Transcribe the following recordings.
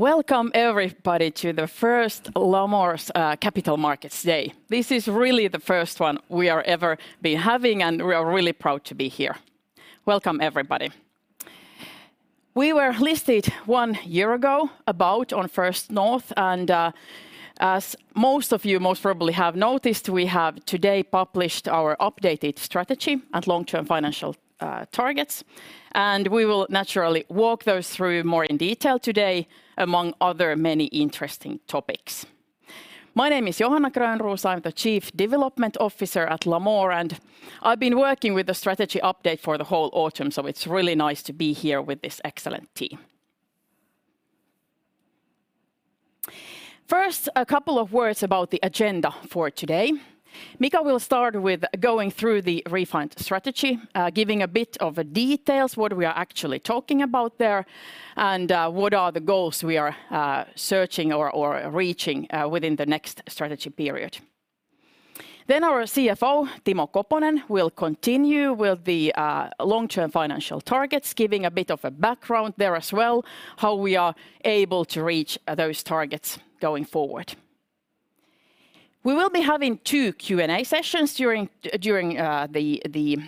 Welcome everybody to the first Lamor Capital Markets Day. This is really the first one we are ever been having, and we are really proud to be here. Welcome everybody. We were listed one year ago about on First North, and as most of you most probably have noticed, we have today published our updated strategy and long-term financial targets. We will naturally walk those through more in detail today, among other many interesting topics. My name is Johanna Grönroos. I'm the Chief Development Officer at Lamor, and I've been working with the strategy update for the whole autumn, so it's really nice to be here with this excellent team. First, a couple of words about the agenda for today. Mika will start with going through the refined strategy, giving a bit of a details what we are actually talking about there and what are the goals we are searching or reaching within the next strategy period. Our CFO, Timo Koponen, will continue with the long-term financial targets, giving a bit of a background there as well, how we are able to reach those targets going forward. We will be having 2 Q&A sessions during the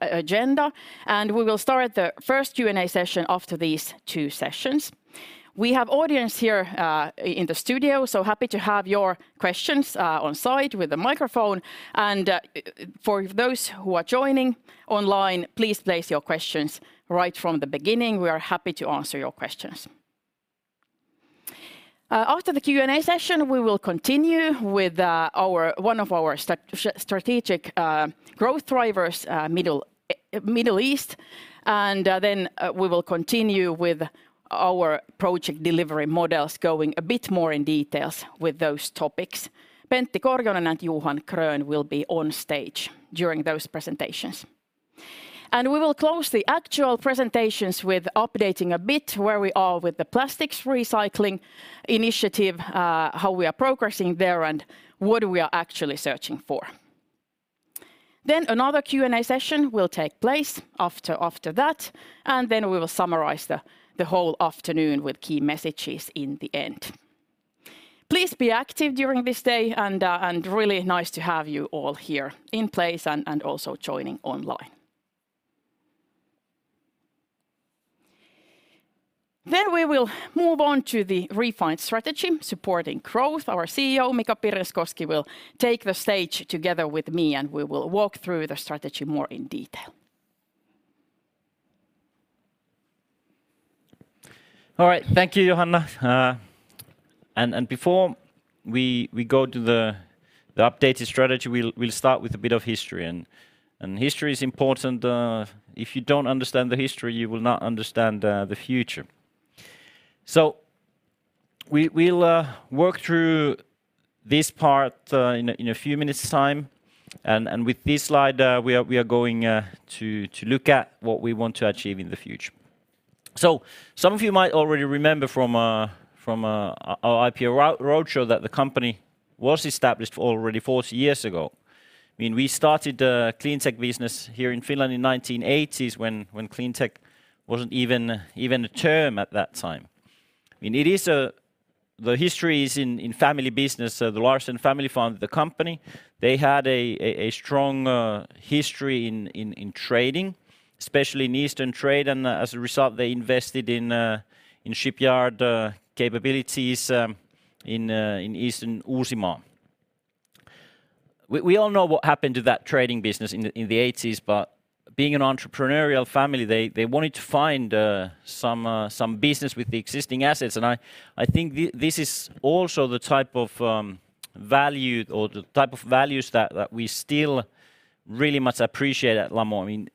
agenda, and we will start the first Q&A session after these 2 sessions. We have audience here in the studio, so happy to have your questions on site with a microphone. For those who are joining online, please place your questions right from the beginning. We are happy to answer your questions. After the Q&A session, we will continue with one of our strategic growth drivers, Middle East, and then we will continue with our project delivery models, going a bit more in details with those topics. Pentti Korjonen and Johan Grön will be on stage during those presentations. We will close the actual presentations with updating a bit where we are with the plastics recycling initiative, how we are progressing there, and what we are actually searching for. Another Q&A session will take place after that, and then we will summarize the whole afternoon with key messages in the end. Please be active during this day, and really nice to have you all here in place and also joining online. We will move on to the refined strategy, supporting growth. Our CEO, Mika Pirneskoski, will take the stage together with me, and we will walk through the strategy more in detail. All right. Thank you, Johanna. Before we go to the updated strategy, we'll start with a bit of history. History is important. If you don't understand the history, you will not understand the future. We'll work through this part in a few minutes' time, and with this slide, we are going to look at what we want to achieve in the future. Some of you might already remember from our IPO roadshow that the company was established already 40 years ago. I mean, we started a cleantech business here in Finland in the 1980s when cleantech wasn't even a term at that time. I mean, the history is in family business. The Larsen family founded the company. They had a strong history in trading, especially in eastern trade, as a result, they invested in shipyard capabilities in Eastern Uusimaa. We all know what happened to that trading business in the 80s, but being an entrepreneurial family, they wanted to find some business with the existing assets, and I think this is also the type of value or the type of values that we still really much appreciate at Lamor, I mean,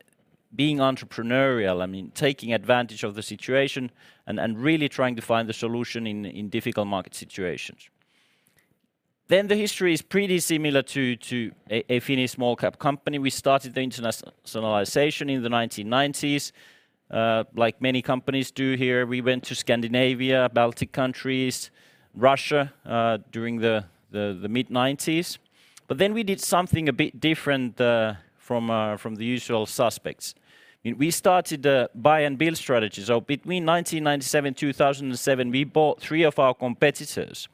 being entrepreneurial, I mean, taking advantage of the situation and really trying to find the solution in difficult market situations. The history is pretty similar to a Finnish small cap company. We started the internationalization in the 1990s, like many companies do here. We went to Scandinavia, Baltic countries, Russia, during the mid-1990s. We did something a bit different from the usual suspects. I mean, we started a buy and build strategy. Between 1997, 2007, we bought three of our competitors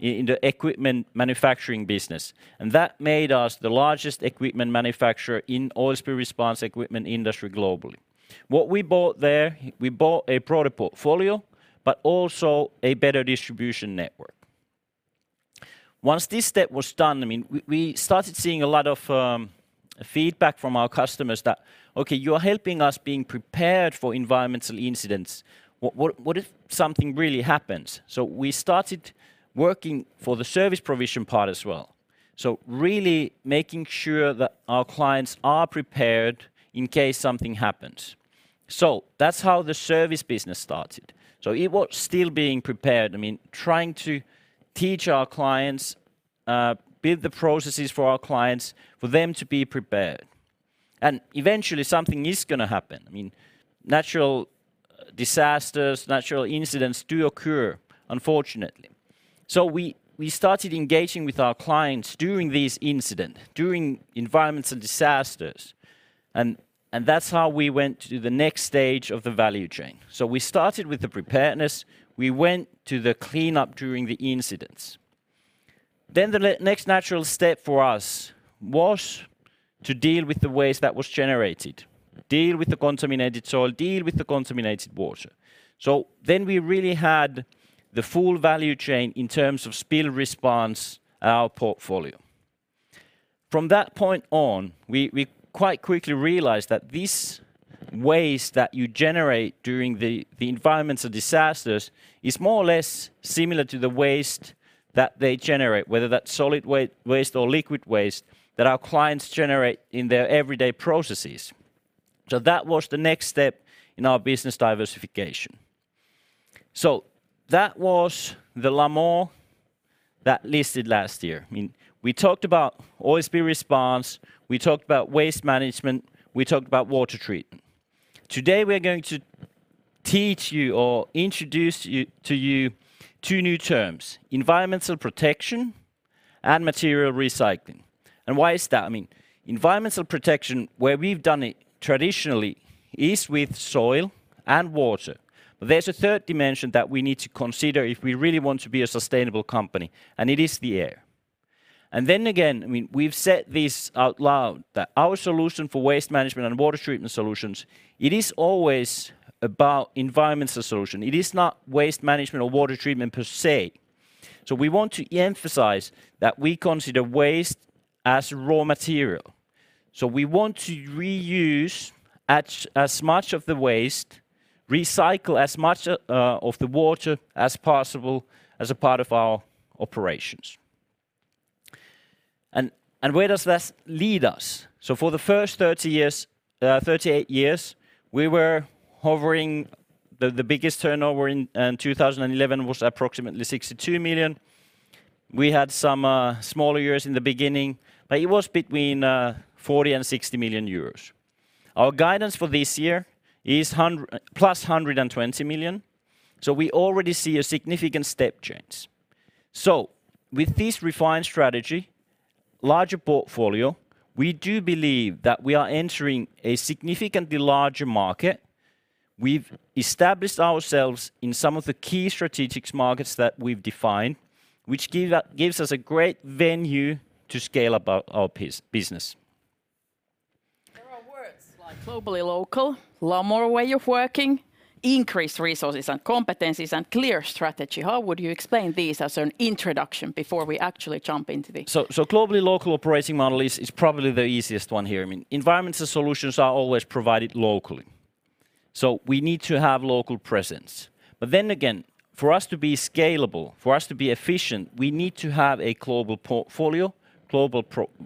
in the equipment manufacturing business, and that made us the largest equipment manufacturer in oil spill response equipment industry globally. What we bought there, we bought a product portfolio, but also a better distribution network. Once this step was done, I mean, we started seeing a lot of feedback from our customers that, "Okay, you are helping us being prepared for environmental incidents. What if something really happens? We started working for the service provision part as well, so really making sure that our clients are prepared in case something happens. That's how the service business started. It was still being prepared, I mean, trying to teach our clients, build the processes for our clients, for them to be prepared. Eventually something is going to happen. I mean, natural disasters, natural incidents do occur, unfortunately. We started engaging with our clients during these incidents, during environmental disasters, and that's how we went to the next stage of the value chain. We started with the preparedness; we went to the cleanup during the incidents. The next natural step for us was to deal with the waste that was generated, deal with the contaminated soil, deal with the contaminated water. We really had the full value chain in terms of spill response, our portfolio. From that point on, we quite quickly realized that this waste that you generate during the environmental disasters is more or less similar to the waste that they generate, whether that's solid waste or liquid waste, that our clients generate in their everyday processes. That was the next step in our business diversification. That was the Lamor that listed last year. I mean, we talked about oil spill response, we talked about waste management, we talked about water treatment. Today we're going to teach you or introduce you to two new terms, environmental protection and material recycling. Why is that? I mean, environmental protection, where we've done it traditionally is with soil and water. There's a third dimension that we need to consider if we really want to be a sustainable company, and it is the air. Then again, I mean, we've said this out loud, that our solution for waste management and water treatment solutions, it is always about environmental solution. It is not waste management or water treatment per se. We want to emphasize that we consider waste as raw material. We want to reuse as much of the waste, recycle as much of the water as possible as a part of our operations. Where does this lead us? For the first 38 years, we were hovering. The biggest turnover in 2011 was approximately 62 million. We had some smaller years in the beginning, but it was between 40 million and 60 million euros. Our guidance for this year is plus 120 million. We already see a significant step change. With this refined strategy, larger portfolio, we do believe that we are entering a significantly larger market. We've established ourselves in some of the key strategic markets that we've defined, which gives us a great venue to scale up our business. There are words like globally local, Lamor way of working, increased resources and competencies, and clear strategy. How would you explain these as an introduction before we actually jump into the-? Globally local operating model is probably the easiest one here. I mean, environmental solutions are always provided locally, we need to have local presence. For us to be scalable, for us to be efficient, we need to have a global portfolio, global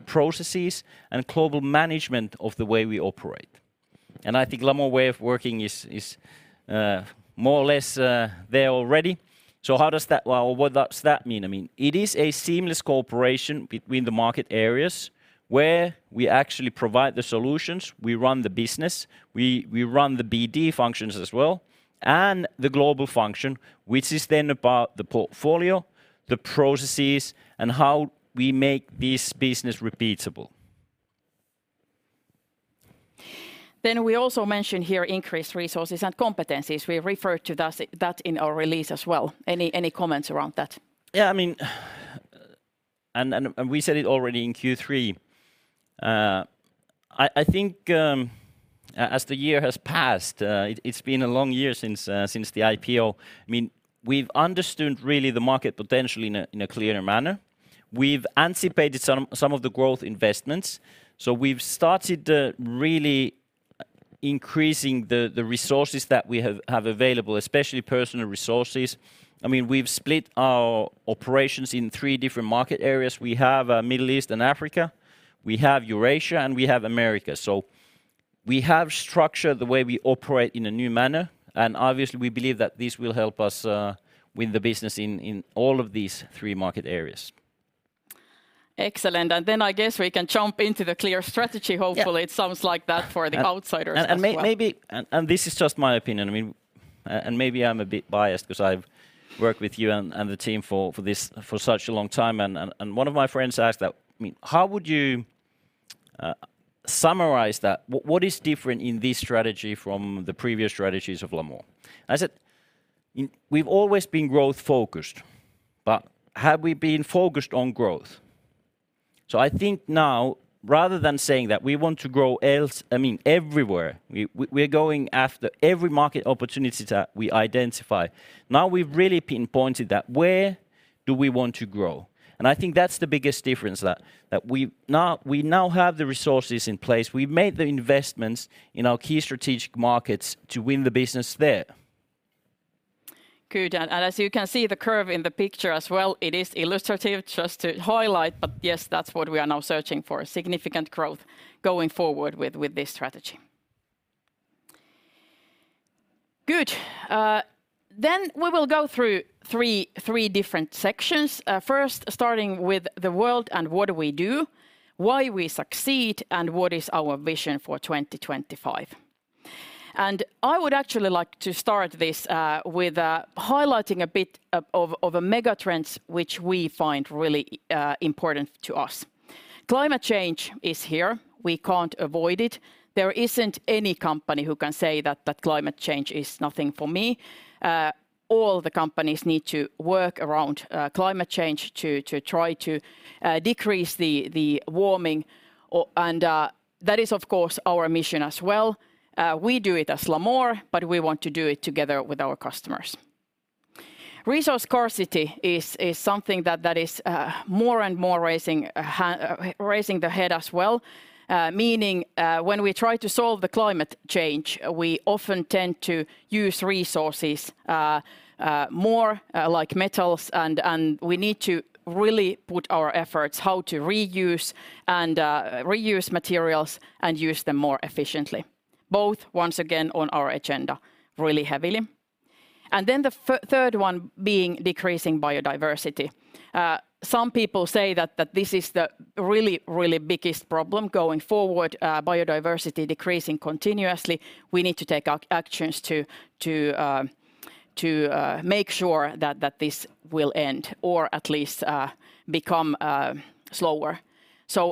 processes, and global management of the way we operate. I think Lamor way of working is more or less there already. How does that, well, what does that mean? I mean, it is a seamless cooperation between the market areas where we actually provide the solutions, we run the business, we run the BD functions as well, and the global function, which is then about the portfolio, the processes, and how we make this business repeatable. We also mention here increased resources and competencies. We refer to this, that in our release as well. Any comments around that? Yeah, I mean, we said it already in Q3, I think, as the year has passed, it's been a long year since the IPO. I mean, we've understood really the market potential in a clearer manner. We've anticipated some of the growth investments, so we've started really increasing the resources that we have available, especially personal resources. I mean, we've split our operations in three different market areas. We have Middle East and Africa, we have Eurasia, and we have Americas. We have structured the way we operate in a new manner, and obviously we believe that this will help us win the business in all of these three market areas. Excellent. I guess we can jump into the clear strategy, hopefully- Yeah... it sounds like that for the outsiders as well. Maybe this is just my opinion. I mean, maybe I'm a bit biased 'cause I've worked with you and the team for this for such a long time. One of my friends asked that, I mean, "How would you summarize that? What is different in this strategy from the previous strategies of Lamor?" I said, "We've always been growth focused, but have we been focused on growth?" I think now rather than saying that we want to grow, I mean, everywhere, we're going after every market opportunity that we identify, now we've really pinpointed that where do we want to grow? I think that's the biggest difference that we now have the resources in place. We've made the investments in our key strategic markets to win the business there. Good. As you can see the curve in the picture as well, it is illustrative just to highlight. Yes, that's what we are now searching for, significant growth going forward with this strategy. Good. We will go through three different sections, first starting with the world and what we do, why we succeed, and what is our Vision 2025. I would actually like to start this with highlighting a bit of a mega trends which we find really important to us. Climate change is here. We can't avoid it. There isn't any company who can say that climate change is nothing for me. All the companies need to work around climate change to try to decrease the warming. That is, of course, our mission as well. We do it as Lamor, but we want to do it together with our customers. Resource scarcity is something that is more and more raising the head as well, meaning when we try to solve the climate change, we often tend to use resources more like metals and we need to really put our efforts how to reuse and reuse materials and use them more efficiently. Both, once again, on our agenda really heavily. Then the third one being decreasing biodiversity. Some people say that this is the really biggest problem going forward, biodiversity decreasing continuously. We need to take actions to make sure that this will end or at least become slower.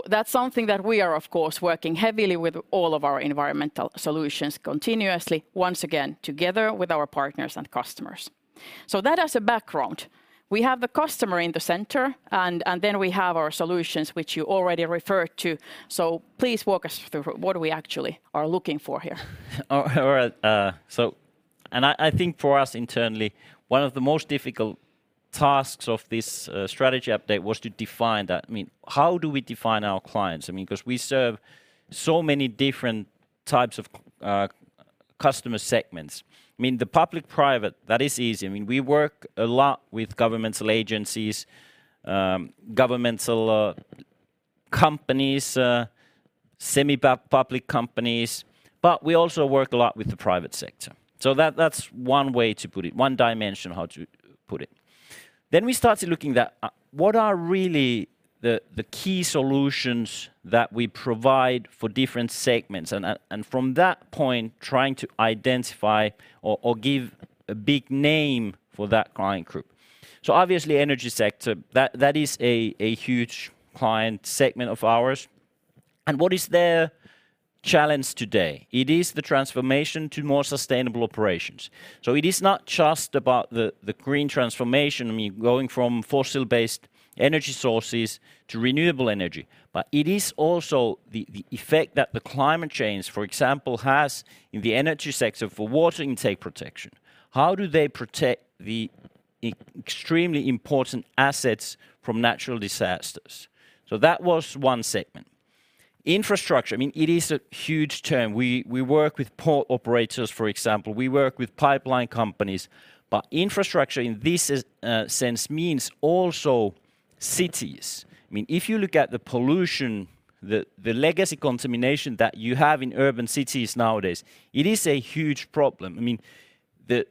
That's something that we are, of course, working heavily with all of our environmental solutions continuously, once again, together with our partners and customers. That as a background. We have the customer in the center, and then we have our solutions which you already referred to. Please walk us through what are we actually are looking for here. All right. I think for us internally, one of the most difficult tasks of this strategy update was to define that. I mean, how do we define our clients? I mean, 'cause we serve so many different types of customer segments. I mean, the public-private, that is easy. We work a lot with governmental agencies, governmental companies, semi-public companies, but we also work a lot with the private sector. That's one way to put it, one dimension how to put it. We started looking at what are really the key solutions that we provide for different segments and from that point, trying to identify or give a big name for that client group. Obviously, energy sector, that is a huge client segment of ours. What is their challenge today? It is the transformation to more sustainable operations. It is not just about the green transformation, I mean, going from fossil-based energy sources to renewable energy, but it is also the effect that the climate change, for example, has in the energy sector for water intake protection. How do they protect extremely important assets from natural disasters? That was one segment. Infrastructure, I mean, it is a huge term. We work with port operators, for example. We work with pipeline companies. Infrastructure in this sense means also cities. I mean, if you look at the pollution, the legacy contamination that you have in urban cities nowadays, it is a huge problem. I mean, the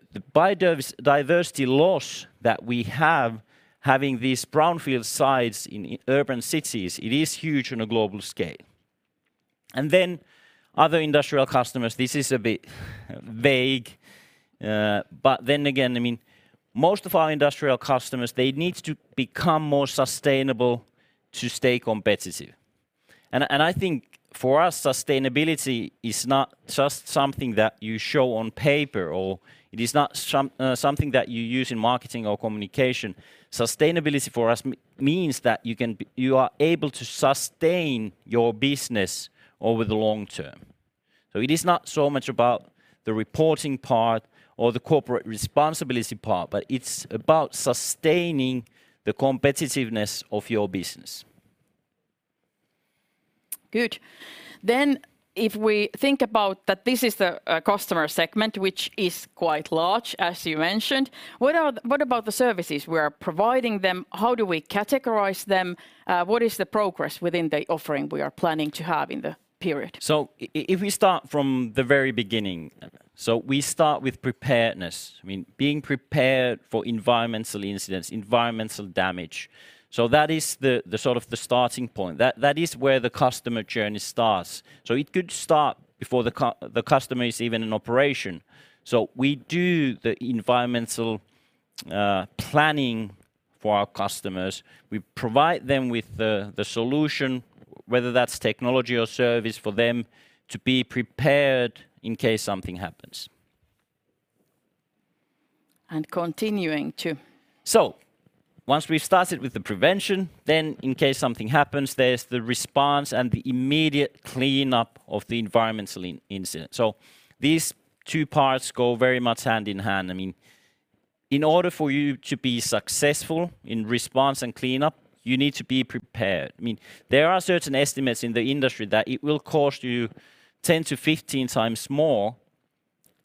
diversity loss that we have, having these brownfield sites in urban cities, it is huge on a global scale. Other industrial customers, this is a bit vague, but then again, I mean, most of our industrial customers, they need to become more sustainable to stay competitive. I think for us, sustainability is not just something that you show on paper or it is not something that you use in marketing or communication. Sustainability for us means that you are able to sustain your business over the long term. It is not so much about the reporting part or the corporate responsibility part, but it's about sustaining the competitiveness of your business. Good. If we think about that this is the customer segment, which is quite large, as you mentioned, what about the services we are providing them? How do we categorize them? What is the progress within the offering we are planning to have in the period? If we start from the very beginning. We start with preparedness, I mean, being prepared for environmental incidents, environmental damage. That is the sort of the starting point. That is where the customer journey starts. It could start before the customer is even in operation. We do the environmental planning for our customers. We provide them with the solution, whether that's technology or service, for them to be prepared in case something happens. continuing to. Once we've started with the prevention, then in case something happens, there's the response and the immediate cleanup of the environmental incident. These two parts go very much hand in hand. I mean, in order for you to be successful in response and cleanup, you need to be prepared. I mean, there are certain estimates in the industry that it will cost you 10 to 15 times more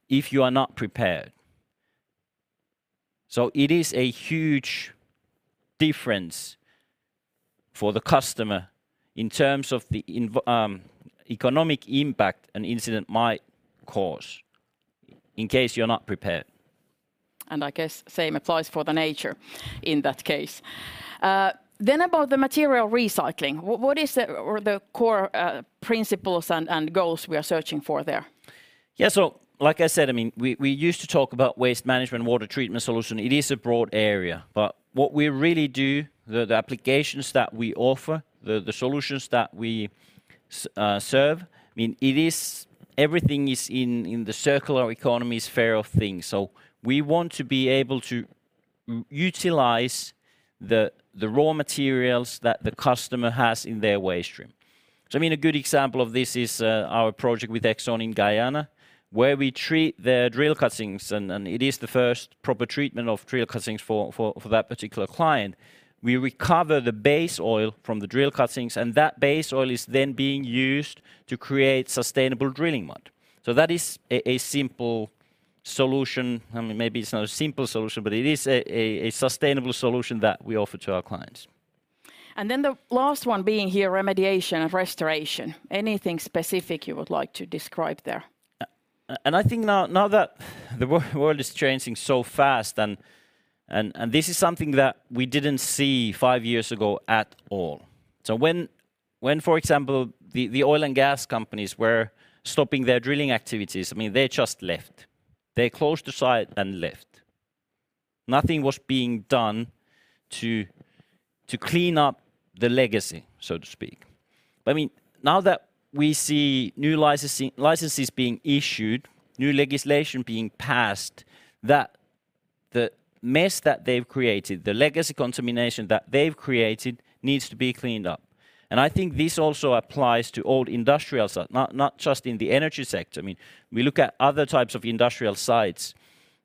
if you are not prepared. It is a huge difference for the customer in terms of the economic impact an incident might cause in case you're not prepared. I guess same applies for the nature in that case. About the material recycling, what is the, or the core, principles and goals we are searching for there? Yeah. Like I said, I mean, we used to talk about waste management, water treatment solution. It is a broad area, what we really do, the applications that we offer, the solutions that we serve, I mean, everything is in the circular economy's sphere of things. We want to be able to utilize the raw materials that the customer has in their waste stream. I mean, a good example of this is our project with Exxon in Guyana, where we treat their drill cuttings and it is the first proper treatment of drill cuttings for that particular client. We recover the base oil from the drill cuttings, that base oil is then being used to create sustainable drilling mud. That is a simple solution. I mean, maybe it's not a simple solution, but it is a sustainable solution that we offer to our clients. The last one being here remediation and restoration, anything specific you would like to describe there? And I think now that the world is changing so fast, and this is something that we didn't see five years ago at all. When, for example, the oil and gas companies were stopping their drilling activities, I mean, they just left. They closed the site and left. Nothing was being done to clean up the legacy, so to speak. I mean, now that we see new licenses being issued, new legislation being passed, that the mess that they've created, the legacy contamination that they've created needs to be cleaned up, and I think this also applies to old industrial site, not just in the energy sector. I mean, we look at other types of industrial sites.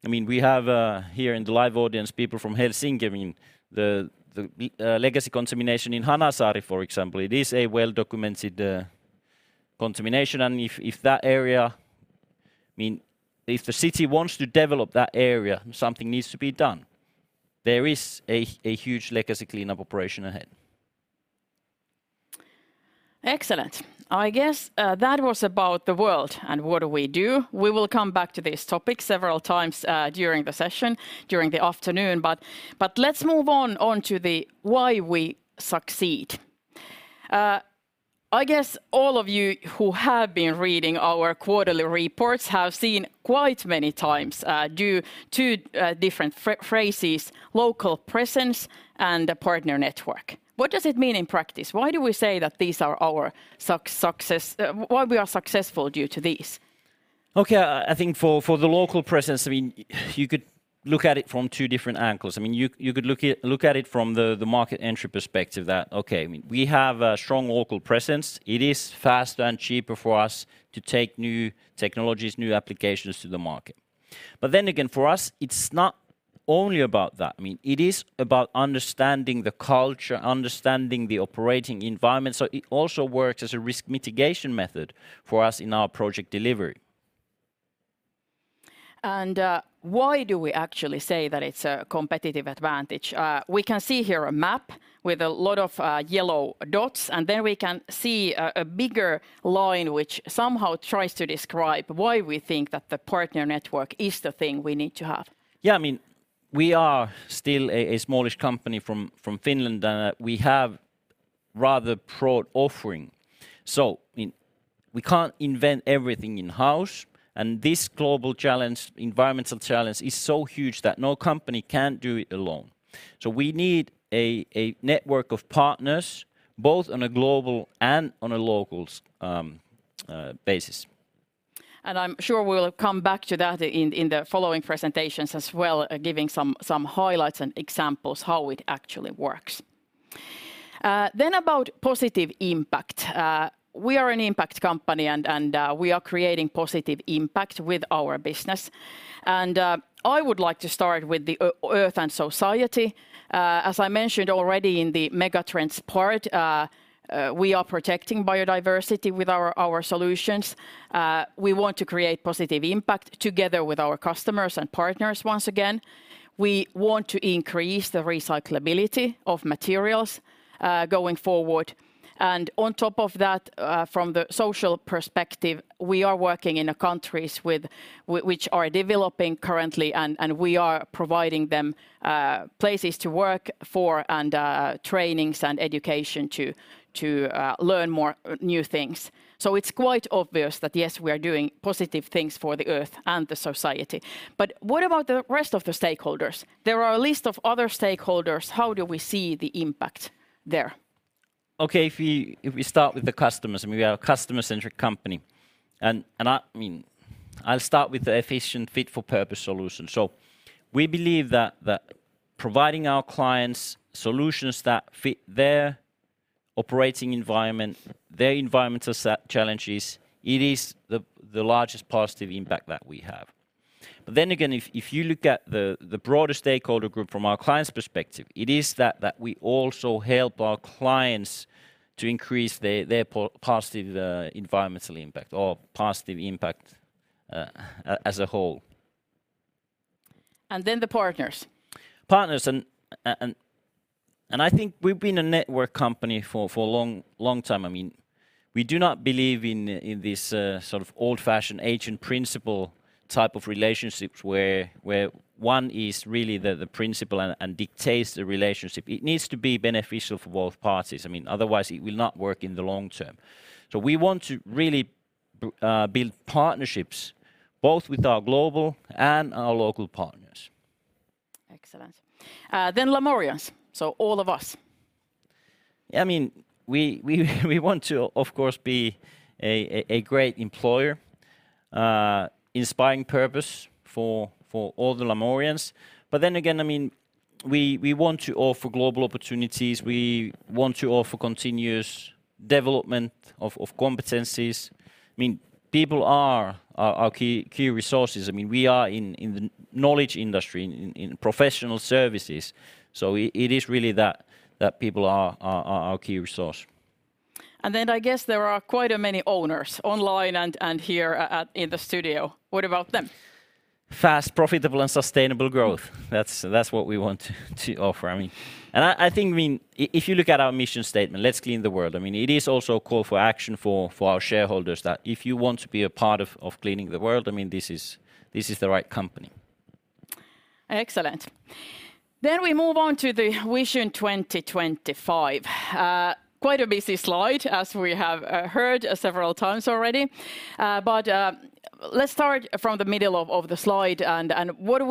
I mean, we have here in the live audience, people from Helsinki, I mean, the legacy contamination in Hanasaari, for example. It is a well-documented contamination, and if that area, I mean, if the city wants to develop that area, something needs to be done. There is a huge legacy cleanup operation ahead. Excellent. I guess that was about the world and what do we do. We will come back to this topic several times during the session, during the afternoon, let's move on to the why we succeed. I guess all of you who have been reading our quarterly reports have seen quite many times due 2 different phrases, local presence and the partner network. What does it mean in practice? Why do we say that these are our success, why we are successful due to this? Okay. I think for the local presence, I mean, you could look at it from two different angles. I mean, you could look at it from the market entry perspective that, okay, I mean, we have a strong local presence. It is faster and cheaper for us to take new technologies, new applications to the market. For us, it's not only about that. I mean, it is about understanding the culture, understanding the operating environment. It also works as a risk mitigation method for us in our project delivery. Why do we actually say that it's a competitive advantage? We can see here a map with a lot of yellow dots, and then we can see a bigger line which somehow tries to describe why we think that the partner network is the thing we need to have. Yeah. I mean, we are still a smallish company from Finland. We have rather broad offering. I mean, we can't invent everything in-house, and this global challenge, environmental challenge is so huge that no company can do it alone. We need a network of partners both on a global and on a local basis. I'm sure we'll come back to that in the following presentations as well, giving some highlights and examples how it actually works. Then about positive impact, we are an impact company, and we are creating positive impact with our business. I would like to start with the Earth and society. As I mentioned already in the megatrends part, we are protecting biodiversity with our solutions. We want to create positive impact together with our customers and partners once again. We want to increase the recyclability of materials going forward. On top of that, from the social perspective, we are working in countries which are developing currently, and we are providing them places to work for and trainings and education to learn more, new things. It's quite obvious that, yes, we are doing positive things for the Earth and the society. What about the rest of the stakeholders? There are a list of other stakeholders. How do we see the impact there? Okay. If we start with the customers, I mean, we are a customer-centric company, and I mean, I'll start with the efficient fit for purpose solution. We believe that providing our clients solutions that fit their operating environment, their environmental set challenges, it is the largest positive impact that we have. Then again, if you look at the broader stakeholder group from our clients' perspective, it is that we also help our clients to increase their positive environmental impact or positive impact as a whole. The partners. Partners and I think we've been a network company for a long, long time. I mean, we do not believe in this sort of old-fashioned agent principle type of relationships where one is really the principal and dictates the relationship. It needs to be beneficial for both parties. I mean, otherwise it will not work in the long term. We want to really build partnerships both with our global and our local partners. Excellent. Lamorians, so all of us. I mean, we want to, of course, be a great employer, inspiring purpose for all the Lamorians. I mean, we want to offer global opportunities. We want to offer continuous development of competencies. I mean, people are our key resources. I mean, we are in the knowledge industry, in professional services, it is really that people are our key resource. I guess there are quite a many owners online and here at, in the studio. What about them? Fast, profitable, and sustainable growth. Mm. That's what we want to offer. I mean, I think, I mean, if you look at our mission statement, "Let's clean the world," I mean, it is also a call for action for our shareholders, that if you want to be a part of cleaning the world, I mean, this is the right company. Excellent. We move on to the Vision 2025. quite a busy slide as we have heard several times already. let's start from the middle of the slide. what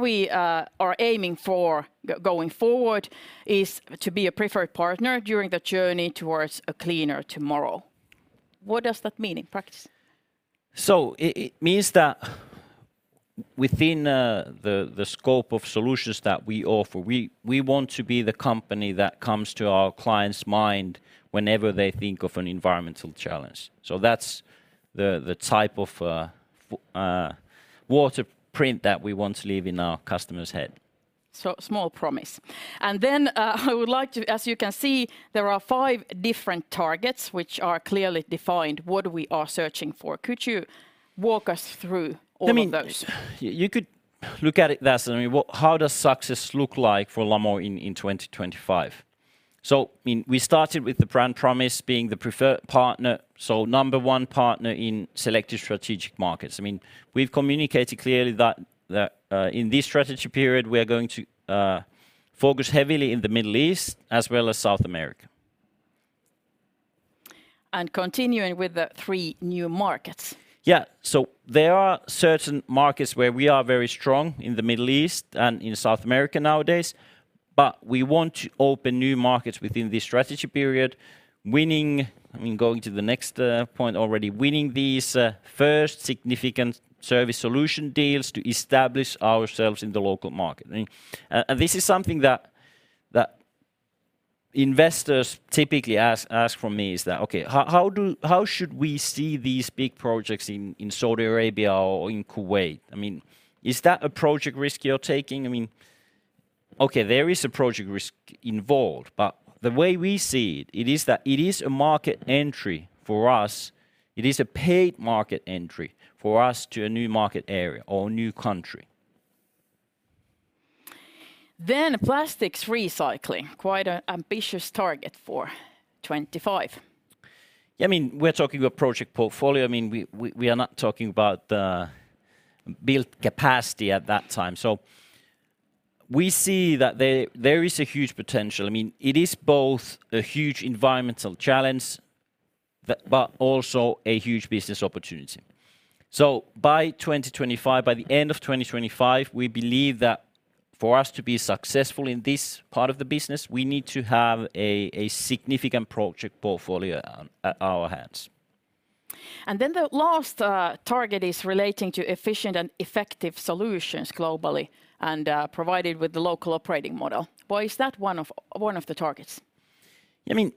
we are aiming for going forward is to be a preferred partner during the journey towards a cleaner tomorrow. What does that mean in practice? It means that within the scope of solutions that we offer, we want to be the company that comes to our client's mind whenever they think of an environmental challenge. That's the type of water print that we want to leave in our customer's head. small promise. As you can see, there are 5 different targets which are clearly defined what we are searching for. Could you walk us through all of those? I mean, you could look at it that, I mean, how does success look like for Lamor in 2025? I mean, we started with the brand promise being the preferred partner, so number one partner in selected strategic markets. I mean, we've communicated clearly that, in this strategy period, we are going to focus heavily in the Middle East, as well as South America. Continuing with the 3 new markets. There are certain markets where we are very strong, in the Middle East and in South America nowadays, but we want to open new markets within this strategy period, winning, I mean, going to the next point already, winning these first significant service solution deals to establish ourselves in the local market. I mean, this is something that investors typically ask from me, is that, "Okay. How should we see these big projects in Saudi Arabia or in Kuwait? I mean, is that a project risk you're taking?" Okay, there is a project risk involved, but the way we see it is that it is a market entry for us. It is a paid market entry for us to a new market area or a new country. plastics recycling, quite a ambitious target for 2025. I mean, we're talking about project portfolio. I mean, we are not talking about built capacity at that time. We see that there is a huge potential. I mean, it is both a huge environmental challenge but also a huge business opportunity. By 2025, by the end of 2025, we believe that for us to be successful in this part of the business, we need to have a significant project portfolio at our hands. Then the last target is relating to efficient and effective solutions globally and provided with the local operating model. Why is that one of the targets? I mean,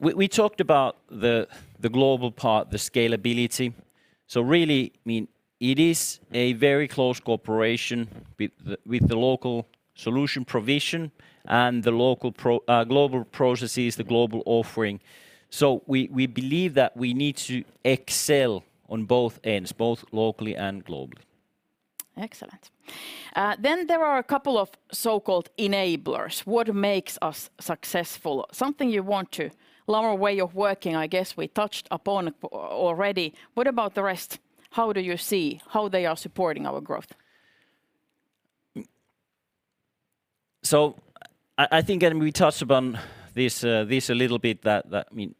we talked about the global part, the scalability. Really, I mean, it is a very close cooperation with the local solution provision and the global processes, the global offering. We believe that we need to excel on both ends, both locally and globally. Excellent. There are a couple of so-called enablers, what makes us successful, Lamor way of working, I guess we touched upon already. What about the rest? How do you see how they are supporting our growth? I think, and we touched upon this a little bit, that, I mean,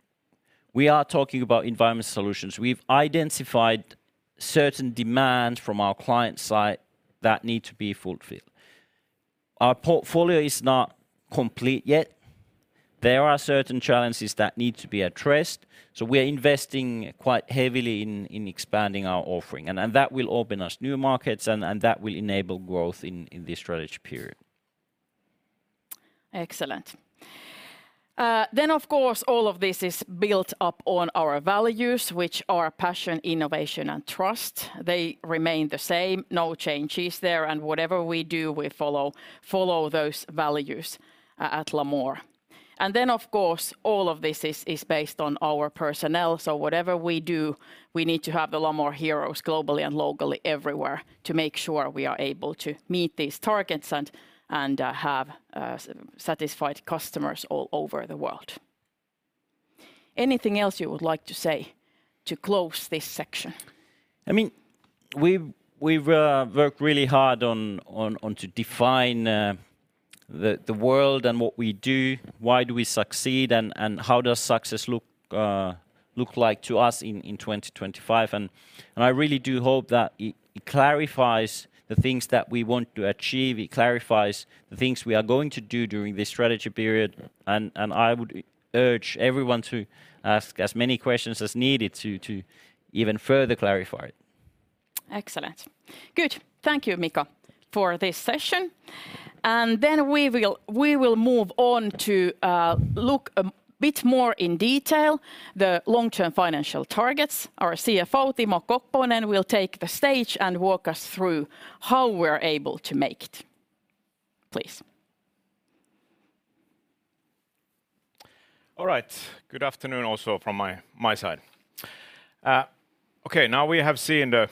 we are talking about environmental solutions. We've identified certain demands from our client side that need to be fulfilled. Our portfolio is not complete yet. There are certain challenges that need to be addressed. We're investing quite heavily in expanding our offering, and that will open us new markets, and that will enable growth in this strategy period. Excellent. Of course, all of this is built up on our values, which are passion, innovation, and trust. They remain the same. No changes there. Whatever we do, we follow those values at Lamor. Of course, all of this is based on our personnel, whatever we do, we need to have a lot more heroes globally and locally everywhere to make sure we are able to meet these targets and have satisfied customers all over the world. Anything else you would like to say to close this section? I mean, we've worked really hard on to define the world and what we do, why do we succeed and how does success look like to us in 2025. I really do hope that it clarifies the things that we want to achieve, it clarifies the things we are going to do during this strategy period, and I would urge everyone to ask as many questions as needed to even further clarify it. Excellent. Good. Thank you, Mika, for this session. We will move on to look a bit more in detail the long-term financial targets. Our CFO, Timo Koponen, will take the stage and walk us through how we're able to make it. Please. All right. Good afternoon also from my side. Okay, now we have seen the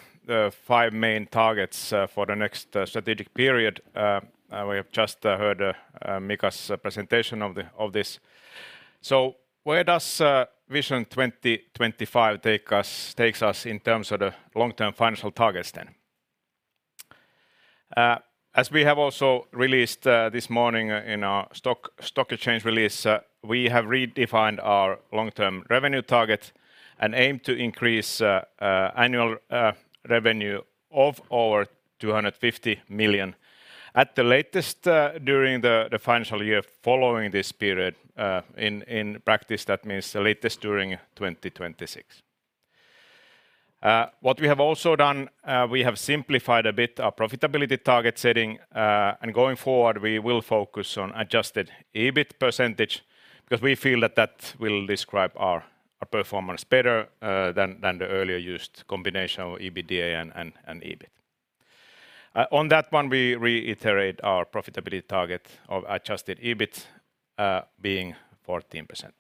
five main targets for the next strategic period. We have just heard Mika's presentation of this. Where does Vision 2025 takes us in terms of the long-term financial targets then? As we have also released this morning in our stock exchange release, we have redefined our long-term revenue target and aim to increase annual revenue of over 250 million at the latest during the financial year following this period. In practice that means the latest during 2026. What we have also done, we have simplified a bit our profitability target setting, and going forward we will focus on Adjusted EBIT percentage because we feel that that will describe our performance better than the earlier used combination of EBITDA and EBIT. On that one we reiterate our profitability target of Adjusted EBIT being 14%.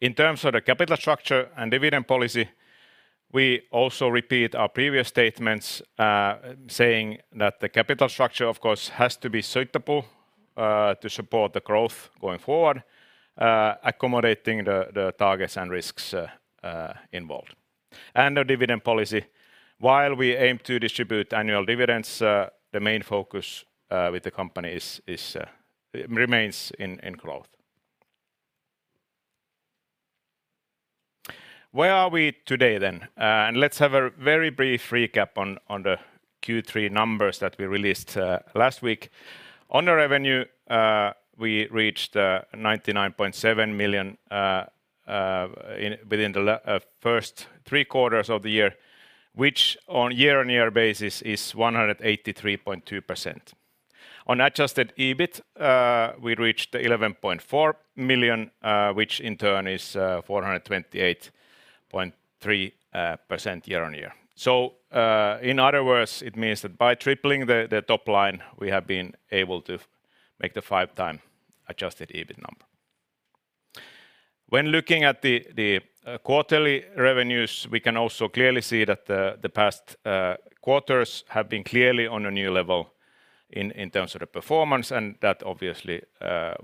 In terms of the capital structure and dividend policy, we also repeat our previous statements, saying that the capital structure of course has to be suitable to support the growth going forward, accommodating the targets and risks involved. Our dividend policy, while we aim to distribute annual dividends, the main focus with the company remains in growth. Where are we today then? Let's have a very brief recap on the Q3 numbers that we released last week. On the revenue, we reached 99.7 million within the first three quarters of the year, which on year-on-year basis is 183.2%. On Adjusted EBIT, we reached 11.4 million, which in turn is 428.3% year-on-year. In other words, it means that by tripling the top line, we have been able to make the 5x Adjusted EBIT number. When looking at the quarterly revenues, we can also clearly see that the past quarters have been clearly on a new level in terms of the performance and that obviously,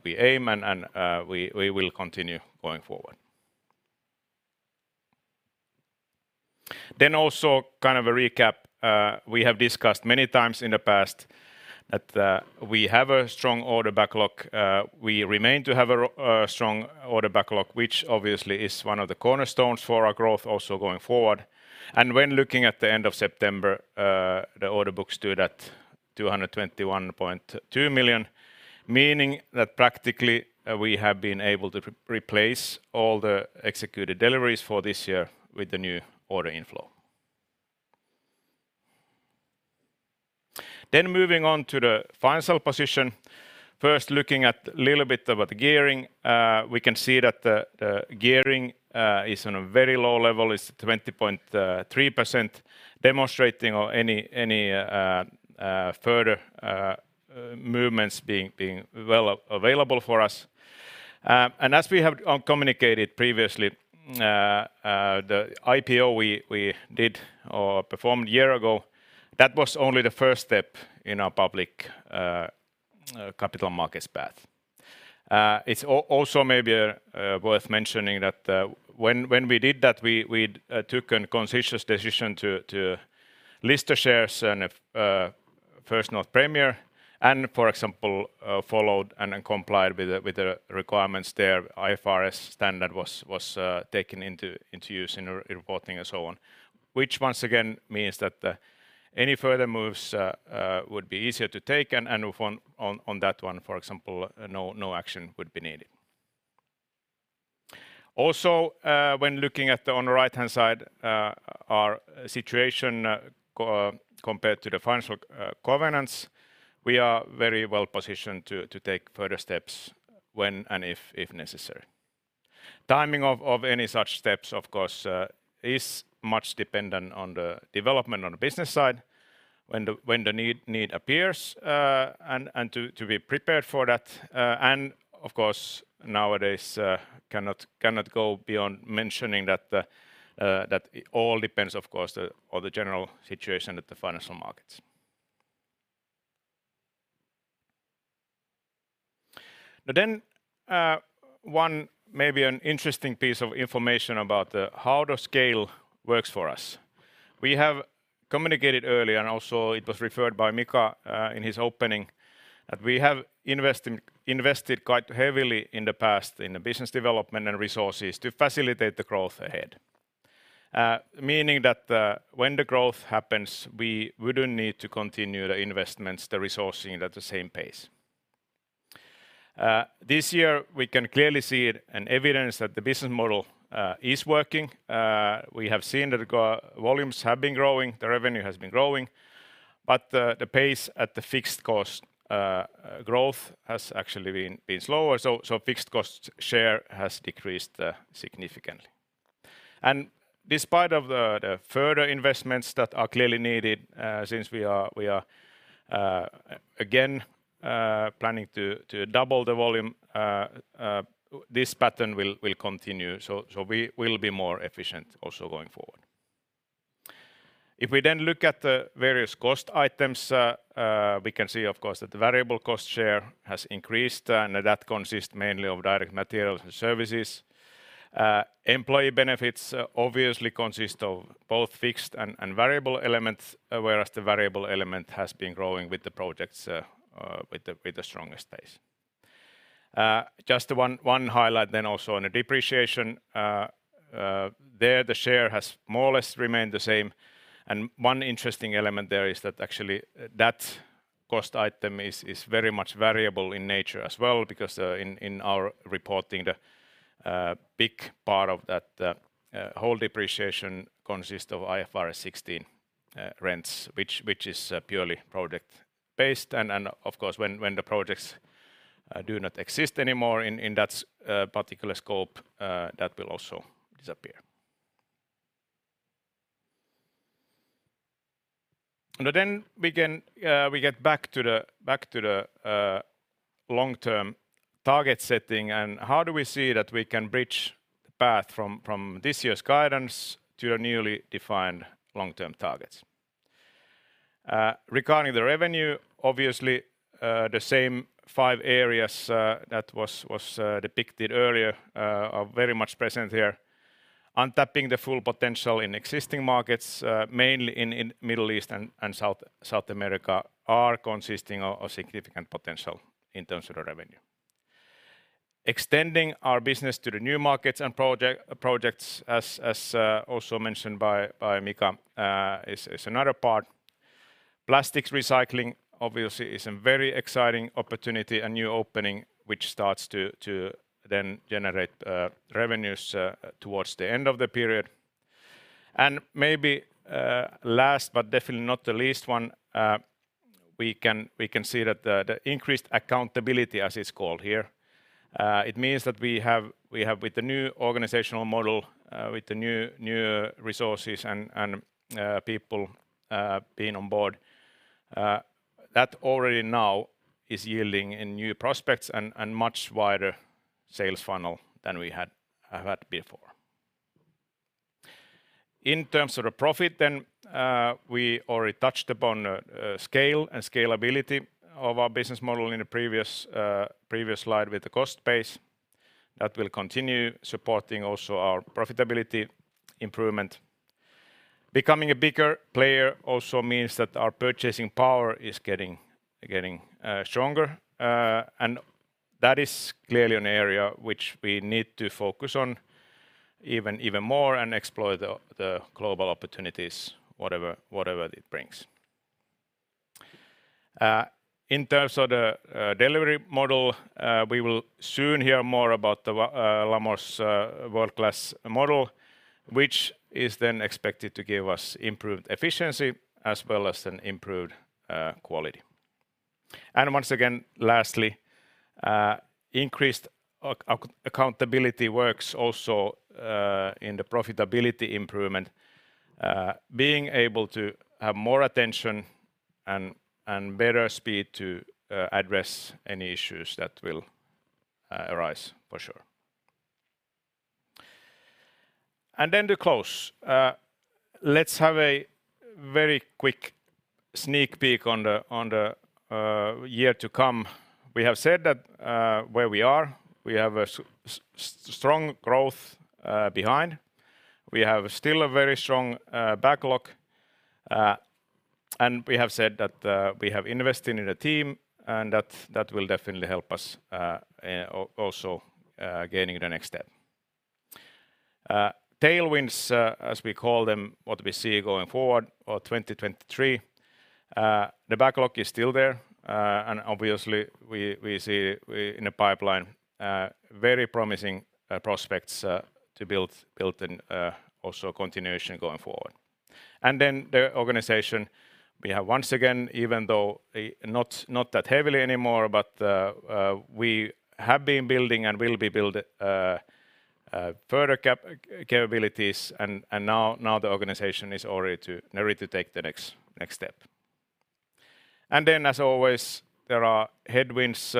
we aim and we will continue going forward. Also kind of a recap, we have discussed many times in the past that we have a strong order backlog. We remain to have a strong order backlog, which obviously is one of the cornerstones for our growth also going forward. When looking at the end of September, the order books stood at 221.2 million, meaning that practically, we have been able to replace all the executed deliveries for this year with the new order inflow. Moving on to the financial position. First looking at little bit about gearing, we can see that the gearing is on a very low level, it's 20.3%, demonstrating or any further movements being well available for us. As we have communicated previously, the IPO we did or performed a year ago, that was only the first step in our public capital markets path. It's also maybe worth mentioning that when we did that we took a conscious decision to list the shares on a First North Premier, for example, followed and complied with the requirements there, IFRS standard was taken into use in reporting and so on. Which once again means that any further moves would be easier to take and on that one, for example, no action would be needed. When looking at the right-hand side, our situation compared to the financial governance, we are very well positioned to take further steps when and if necessary. Timing of any such steps, of course, is much dependent on the development on the business side when the need appears, and to be prepared for that. Nowadays, cannot go beyond mentioning that it all depends, of course, on the general situation at the financial markets. One maybe an interesting piece of information about how the scale works for us. We have communicated early and also it was referred by Mika in his opening, that we have invested quite heavily in the past in the business development and resources to facilitate the growth ahead. Meaning that, when the growth happens, we wouldn't need to continue the investments, the resourcing at the same pace. This year we can clearly see it, an evidence that the business model is working. We have seen that the volumes have been growing, the revenue has been growing, but the pace at the fixed cost growth has actually been slower. Fixed cost share has decreased significantly. Despite of the further investments that are clearly needed, since we are again planning to double the volume, this pattern will continue, so we will be more efficient also going forward. If we look at the various cost items, we can see of course that the variable cost share has increased, and that consists mainly of direct materials and services. Employee benefits obviously consist of both fixed and variable elements, whereas the variable element has been growing with the projects with the strongest pace. Just the one highlight then also on the depreciation, there the share has more or less remained the same. One interesting element there is that actually that cost item is very much variable in nature as well because in our reporting, the big part of that whole depreciation consists of IFRS 16 rents, which is purely project-based. Of course, when the projects do not exist anymore in that particular scope, that will also disappear. We can get back to the long-term target setting and how do we see that we can bridge the path from this year's guidance to our newly defined long-term targets? Regarding the revenue, obviously, the same five areas that was depicted earlier are very much present here. Untapping the full potential in existing markets, mainly in Middle East and South America, are consisting of significant potential in terms of the revenue. Extending our business to the new markets and projects as also mentioned by Mika, is another part. Plastics recycling obviously is a very exciting opportunity and new opening, which starts to then generate revenues towards the end of the period. Maybe, last but definitely not the least one, we can see that the increased accountability, as it's called here, it means that we have with the new organizational model, with the new resources and people being on board, that already now is yielding in new prospects and much wider sales funnel than we had before. In terms of the profit, we already touched upon the scale and scalability of our business model in a previous slide with the cost base that will continue supporting also our profitability improvement. Becoming a bigger player also means that our purchasing power is getting stronger. That is clearly an area which we need to focus on even more and exploit the global opportunities, whatever it brings. In terms of the delivery model, we will soon hear more about Lamor's world-class model, which is then expected to give us improved efficiency as well as an improved quality. Once again, lastly, increased accountability works also in the profitability improvement, being able to have more attention and better speed to address any issues that will arise for sure. To close, let's have a very quick sneak peek on the year to come. We have said that where we are, we have a strong growth behind. We have still a very strong backlog. We have said that we have invested in a team, that will definitely help us also gaining the next step. Tailwinds as we call them, what we see going forward or 2023, the backlog is still there. Obviously we see in the pipeline, very promising prospects to build an also continuation going forward. The organization we have once again, even though not that heavily anymore, but we have been building and will be build further capabilities and now the organization is all ready in a way to take the next step. As always, there are headwinds,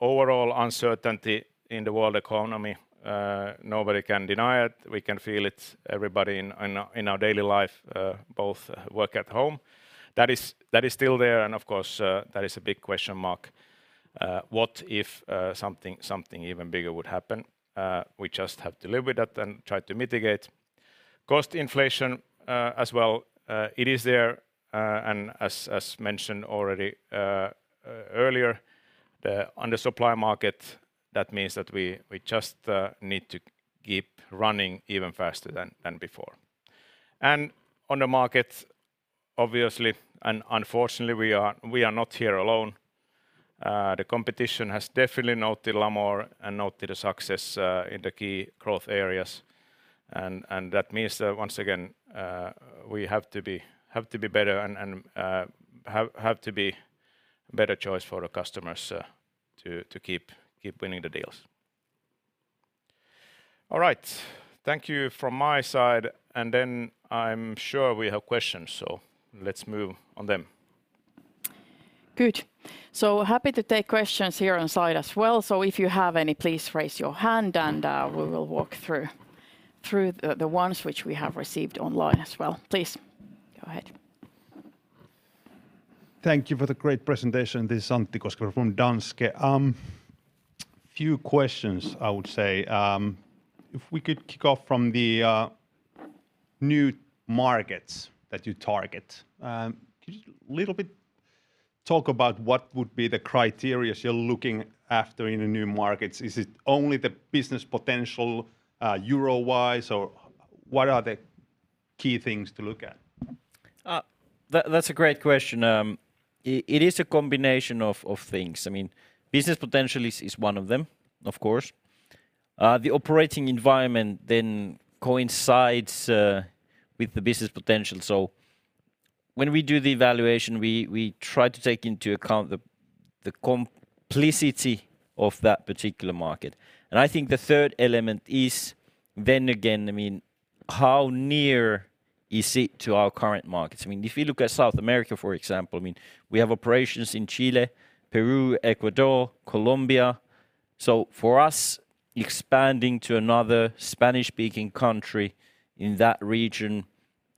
overall uncertainty in the world economy, nobody can deny it. We can feel it, everybody in our daily life, both work at home. That is still there and of course, that is a big question mark. What if something even bigger would happen? We just have to live with that and try to mitigate. Cost inflation as well, it is there, and as mentioned already earlier, the under-supply market, that means that we just need to keep running even faster than before. On the market obviously and unfortunately we are not here alone. The competition has definitely noted Lamor and noted a success in the key growth areas and that means that once again, we have to be better and have to be better choice for the customers to keep winning the deals. All right. Thank you from my side. I'm sure we have questions, let's move on them. Good. Happy to take questions here on site as well, so if you have any, please raise your hand and, we will walk through the ones which we have received online as well. Please, go ahead. Thank you for the great presentation. This is Antti Koskivuori from Danske Bank. few questions I would say. if we could kick off from the new markets that you target. could you little bit talk about what would be the criteria you're looking after in the new markets? Is it only the business potential, euro-wise, or what are the key things to look at? That's a great question. It is a combination of things. I mean, business potential is one of them, of course. The operating environment then coincides with the business potential, so when we do the evaluation, we try to take into account the complexity of that particular market. I think the third element is then again, I mean, how near is it to our current markets? I mean, if you look at South America, for example, I mean, we have operations in Chile, Peru, Ecuador, Colombia, so for us, expanding to another Spanish-speaking country in that region,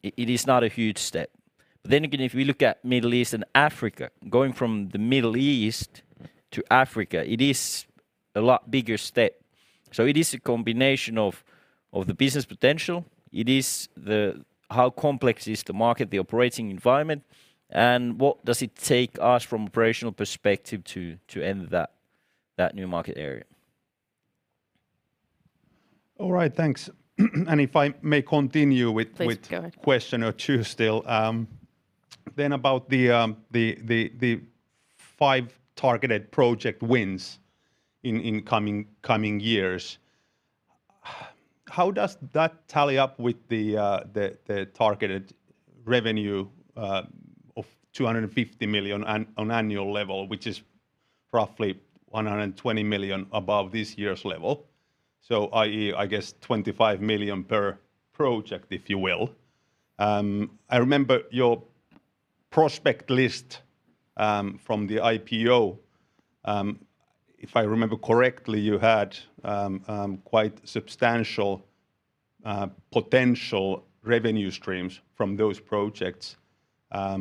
it is not a huge step. Then again, if you look at Middle East and Africa, going from the Middle East to Africa, it is a lot bigger step. It is a combination of the business potential, it is the how complex is to market the operating environment, and what does it take us from operational perspective to enter that new market area. All right. Thanks. If I may continue. Please, go ahead... with question or two still. About the 5 targeted project wins in coming years. How does that tally up with the targeted revenue of 250 million on annual level, which is roughly 120 million above this year's level? I.e., I guess 25 million per project, if you will. I remember your prospect list from the IPO. If I remember correctly, you had quite substantial potential revenue streams from those projects. How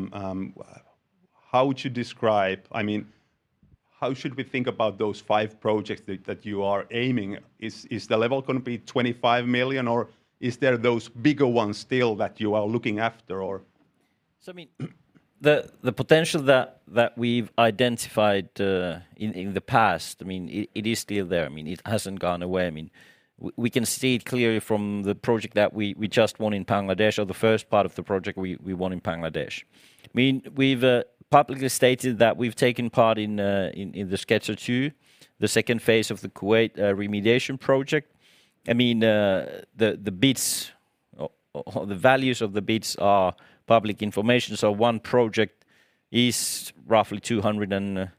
would you describe... I mean, how should we think about those 5 projects that you are aiming? Is the level going to be 25 million, or is there those bigger ones still that you are looking after or...? I mean, the potential that we've identified in the past, I mean, it is still there. I mean, it hasn't gone away. I mean, we can see it clearly from the project that we just won in Bangladesh or the first part of the project we won in Bangladesh. I mean, we've publicly stated that we've taken part in the Schedule II, the second phase of the Kuwait remediation project. I mean, the bids or the values of the bids are public information, one project is roughly 200 million and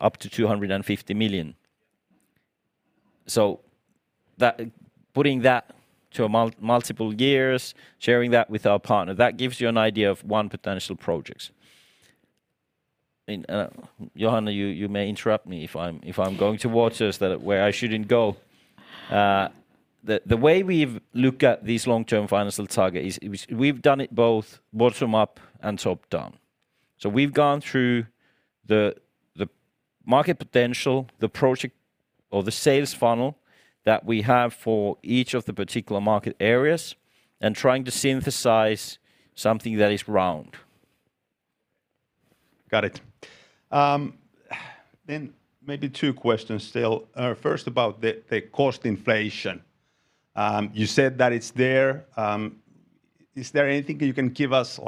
up to 250 million. That, putting that to a multiple years, sharing that with our partner, that gives you an idea of one potential projects. Johanna, you may interrupt me if I'm going towards this, that, where I shouldn't go. The way we've looked at these long-term financial target is we've done it both bottom up and top down. We've gone through the market potential, the project or the sales funnel that we have for each of the particular market areas, and trying to synthesize something that is round. Got it. Maybe two questions still. About the cost inflation. You said that it's there. Is there anything that you can give us,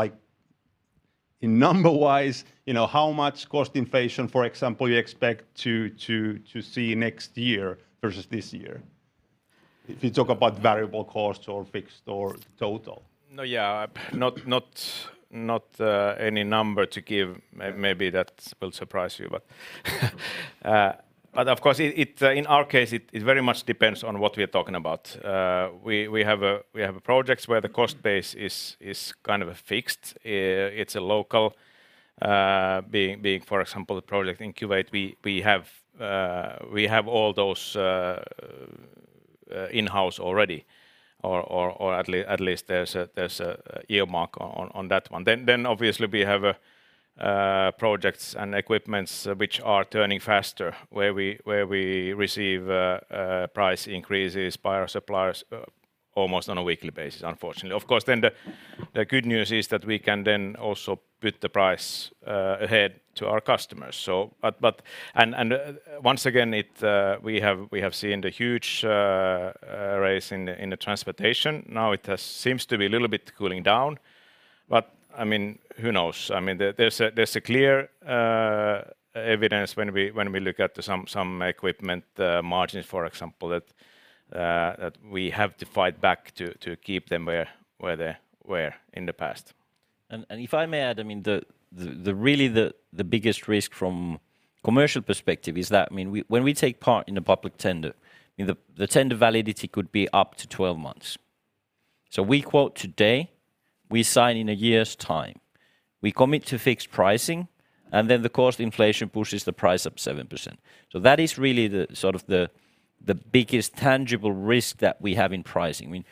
number wise, you know, how much cost inflation, for example, you expect to see next year versus this year, if you talk about variable cost or fixed or total? No, yeah. Not any number to give. Maybe that will surprise you. Of course it, in our case it very much depends on what we're talking about. We have a project where the cost base is kind of a fixed, it's a local, being for example the project in Kuwait we have all those in-house already or at least there's a earmark on that one. Obviously we have projects and equipments which are turning faster where we receive price increases by our suppliers almost on a weekly basis unfortunately. Of course the good news is that we can then also put the price ahead to our customers. Once again, we have seen the huge rise in the transportation. Now seems to be a little bit cooling down, I mean, who knows? I mean, there's a clear evidence when we look at some equipment margins for example that we have to fight back to keep them where they were in the past. If I may add, I mean, really the biggest risk from commercial perspective is that, I mean, when we take part in a public tender, I mean, the tender validity could be up to 12 months. We quote today, we sign in a year's time. We commit to fixed pricing. The cost inflation pushes the price up 7%. That is really the sort of the biggest tangible risk that we have in pricing. I mean,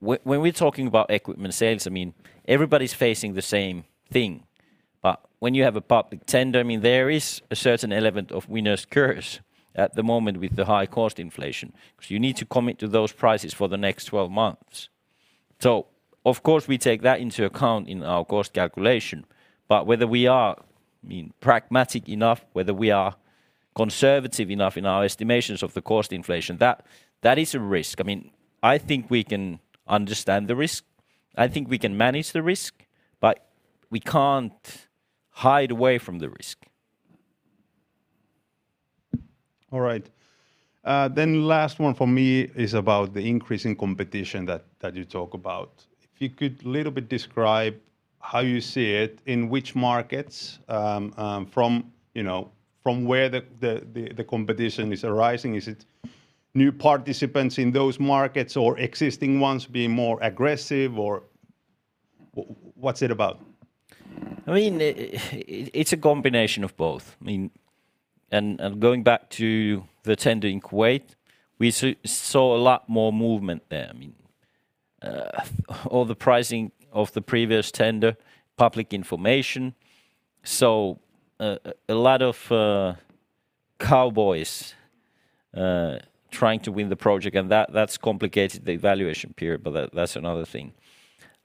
when we're talking about equipment sales, I mean, everybody's facing the same thing. When you have a public tender, I mean, there is a certain element of winner's curse at the moment with the high cost inflation 'cause you need to commit to those prices for the next 12 months. Of course we take that into account in our cost calculation, but whether we are, I mean, pragmatic enough, whether we are conservative enough in our estimations of the cost inflation, that is a risk. I think we can understand the risk, I think we can manage the risk, but we can't hide away from the risk. All right. Last one from me is about the increase in competition that you talk about. If you could little bit describe how you see it, in which markets, from, you know, from where the competition is arising. Is it new participants in those markets or existing ones being more aggressive? What's it about? It's a combination of both. Going back to the tender in Kuwait, we saw a lot more movement there. All the pricing of the previous tender, public information. A lot of cowboys trying to win the project, and that's complicated the evaluation period, but that's another thing.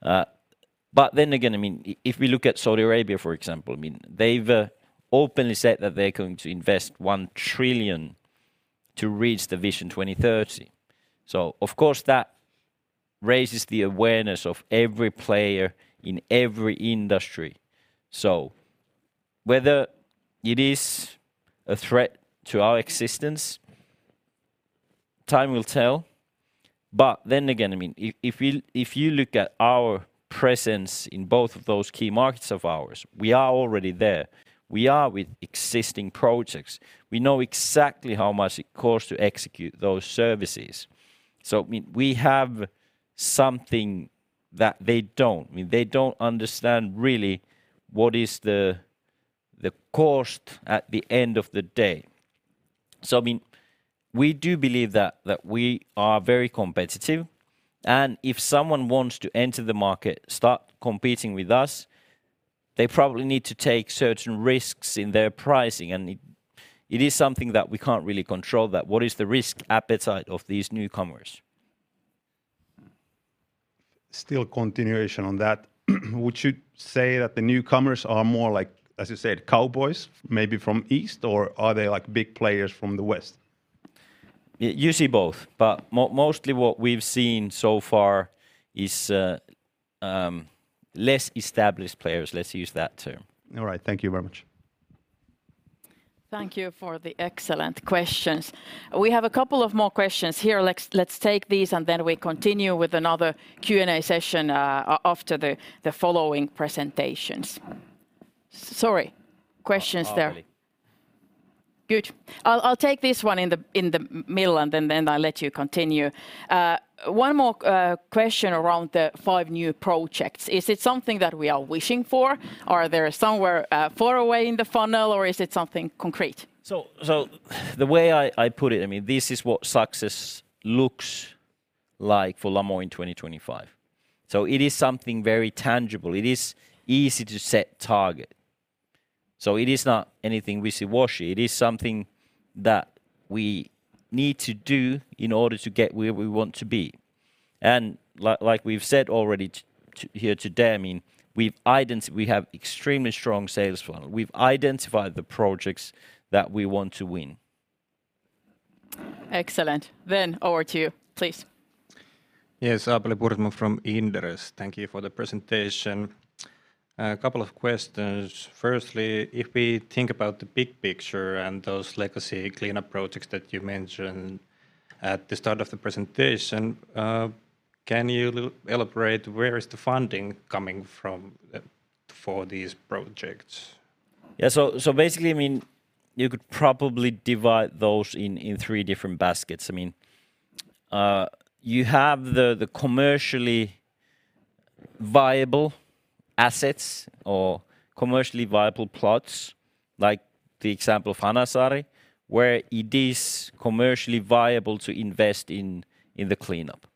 Again, if we look at Saudi Arabia for example, they've openly said that they're going to invest 1 trillion to reach the Vision 2030. Of course that raises the awareness of every player in every industry. Whether it is a threat to our existence, time will tell, again, if you look at our presence in both of those key markets of ours, we are already there. We are with existing projects. We know exactly how much it costs to execute those services. I mean, we have something that they don't. I mean, they don't understand really what is the cost at the end of the day. I mean, we do believe that we are very competitive, and if someone wants to enter the market, start competing with us, they probably need to take certain risks in their pricing, and it is something that we can't really control that what is the risk appetite of these newcomers. Still continuation on that. Would you say that the newcomers are more like, as you said, cowboys maybe from East or are they like big players from the West? You see both, but mostly what we've seen so far is less established players. Let's use that term. All right. Thank you very much. Thank you for the excellent questions. We have a couple of more questions here. Let's take these, and then we continue with another Q&A session after the following presentations. Sorry. Questions there. Oh, hardly. Good. I'll take this one in the middle and then I'll let you continue. One more question around the five new projects. Is it something that we are wishing for? Are they somewhere far away in the funnel or is it something concrete? The way I put it, I mean, this is what success looks like for Lamor in 2025, so it is something very tangible. It is easy to set target, so it is not anything wishy-washy. It is something that we need to do in order to get where we want to be. Like we've said already here today, I mean, we have extremely strong sales funnel. We've identified the projects that we want to win. Excellent. Over to you, please. Yes. Aapeli Pursimo from Inderes. Thank you for the presentation. A couple of questions. Firstly, if we think about the big picture and those legacy cleanup projects that you mentioned at the start of the presentation, can you elaborate where is the funding coming from for these projects? Yeah. Basically, I mean, you could probably divide those in three different baskets. I mean, you have the commercially viable assets or commercially viable plots, like the example of Hanasaari, where it is commercially viable to invest in the cleanup.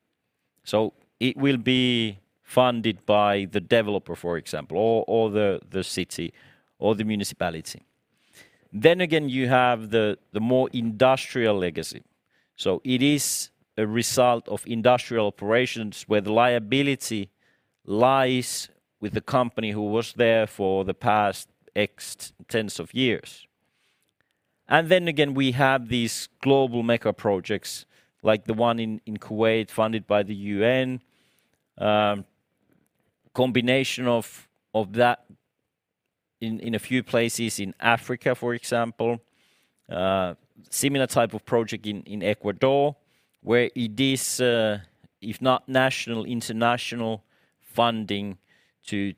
It will be funded by the developer, for example, or the city or the municipality. Again, you have the more industrial legacy. It is a result of industrial operations where the liability lies with the company who was there for the past X tens of years. Again, we have these global mega projects like the one in Kuwait funded by the UN. Combination of that in a few places in Africa, for example. Similar type of project in Ecuador, where it is, if not national, international funding to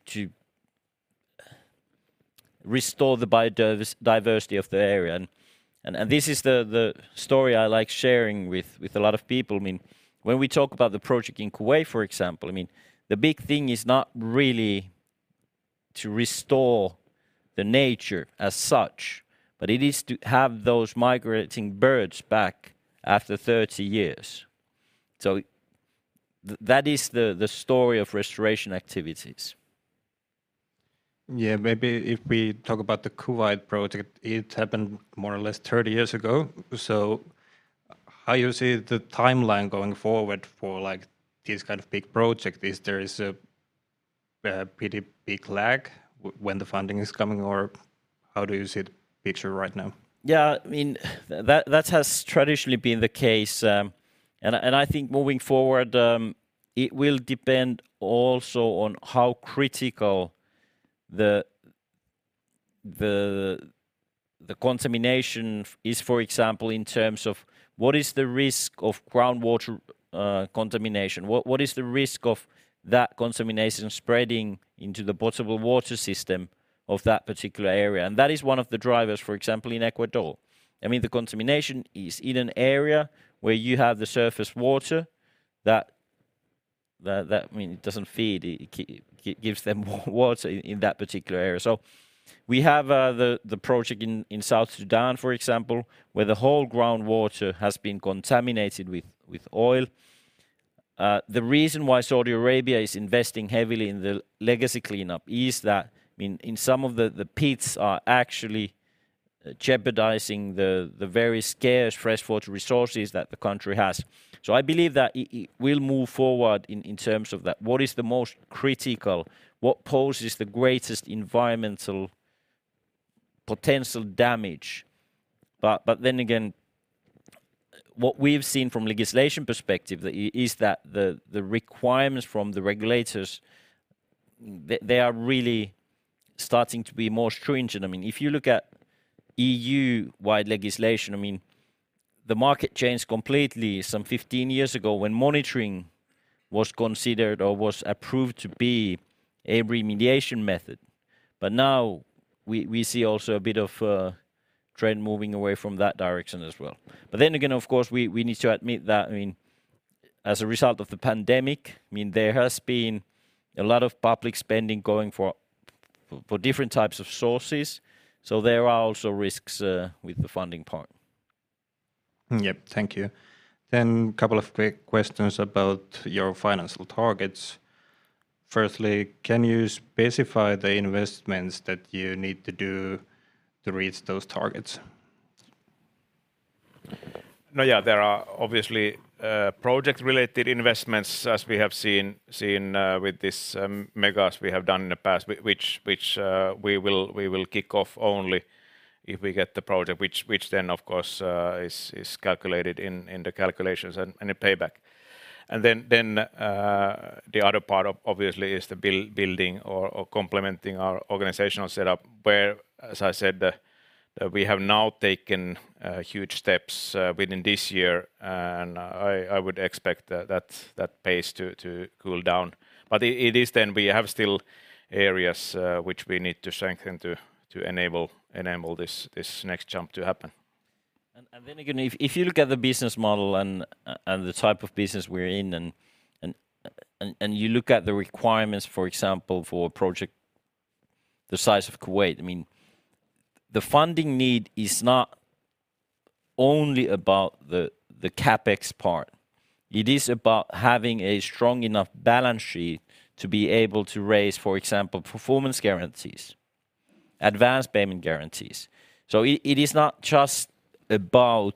restore the biodiversity of the area. This is the story I like sharing with a lot of people. I mean, when we talk about the project in Kuwait, for example, I mean, the big thing is not really to restore the nature as such, but it is to have those migrating birds back after 30 years. That is the story of restoration activities. Yeah. Maybe if we talk about the Kuwait project, it happened more or less 30 years ago. How you see the timeline going forward for, like, this kind of big project? Is there a pretty big lag when the funding is coming, or how do you see the picture right now? Yeah, I mean, that has traditionally been the case. I think moving forward, it will depend also on how critical the contamination is, for example, in terms of what is the risk of groundwater contamination? What is the risk of that contamination spreading into the potable water system of that particular area? That is one of the drivers, for example, in Ecuador. I mean, the contamination is in an area where you have the surface water that, I mean, it doesn't feed. It gives them water in that particular area. We have the project in South Sudan, for example, where the whole groundwater has been contaminated with oil. The reason why Saudi Arabia is investing heavily in the legacy cleanup is that, I mean, some of the pits are actually jeopardizing the very scarce freshwater resources that the country has. I believe that it will move forward in terms of that. What is the most critical? What poses the greatest environmental potential damage? Then again, what we've seen from legislation perspective is that the requirements from the regulators, they are really starting to be more stringent. I mean, if you look at EU-wide legislation, I mean, the market changed completely some 15 years ago when monitoring was considered or was approved to be a remediation method. Now we see also a bit of a trend moving away from that direction as well. Of course, we need to admit that, I mean, as a result of the pandemic, I mean, there has been a lot of public spending going for different types of sources. There are also risks with the funding part. Yep. Thank you. Couple of questions about your financial targets. Firstly, can you specify the investments that you need to do to reach those targets? Yeah, there are obviously project-related investments as we have seen with this megas we have done in the past, which we will kick off only if we get the project, which then of course is calculated in the calculations and a payback. Then, the other part obviously is the building or complementing our organizational setup, where, as I said, we have now taken huge steps within this year, and I would expect that pace to cool down. It is then we have still areas which we need to strengthen to enable this next jump to happen. Then again, if you look at the business model and the type of business we're in and you look at the requirements, for example, for a project the size of Kuwait, I mean, the funding need is not only about the CapEx part. It is about having a strong enough balance sheet to be able to raise, for example, performance guarantees, advanced payment guarantees. It is not just about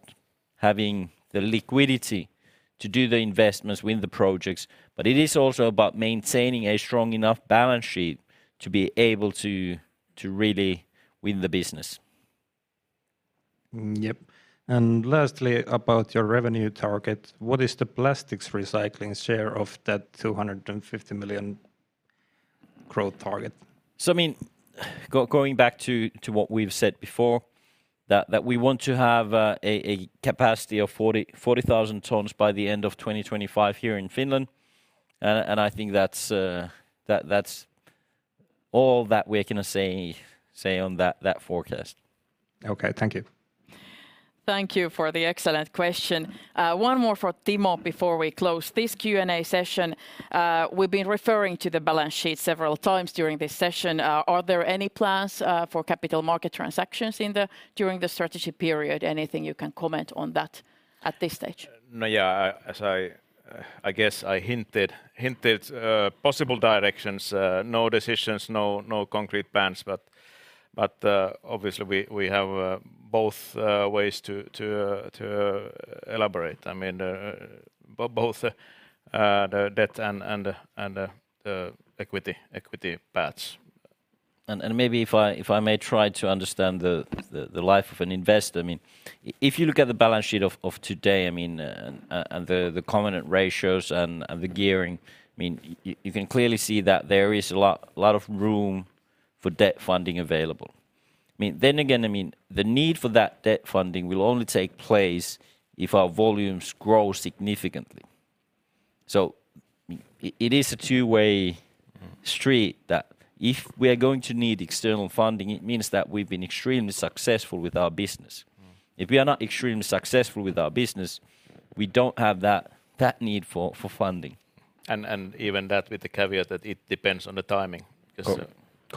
having the liquidity to do the investments, win the projects, but it is also about maintaining a strong enough balance sheet To really win the business. Mm, yep. Lastly, about your revenue target, what is the plastics recycling share of that 250 million growth target? I mean, going back to what we've said before, that we want to have a capacity of 40,000 tons by the end of 2025 here in Finland. I think that's all that we're going to say on that forecast. Okay, thank you. Thank you for the excellent question. One more for Timo before we close this Q&A session. We've been referring to the balance sheet several times during this session. Are there any plans for capital market transactions during the strategy period? Anything you can comment on that at this stage? Yeah, I, as I guess I hinted possible directions, no decisions, no concrete plans, but obviously we have both ways to elaborate. I mean, both the debt and the equity paths. Maybe if I, if I may try to understand the life of an investor, I mean, if you look at the balance sheet of today, I mean, and the covenant ratios and the gearing, I mean, you can clearly see that there is a lot of room for debt funding available. Again, I mean, the need for that debt funding will only take place if our volumes grow significantly. It is a two-way street that if we are going to need external funding, it means that we've been extremely successful with our business. Mm. If we are not extremely successful with our business, we don't have that need for funding. And even that with the caveat that it depends on the timing.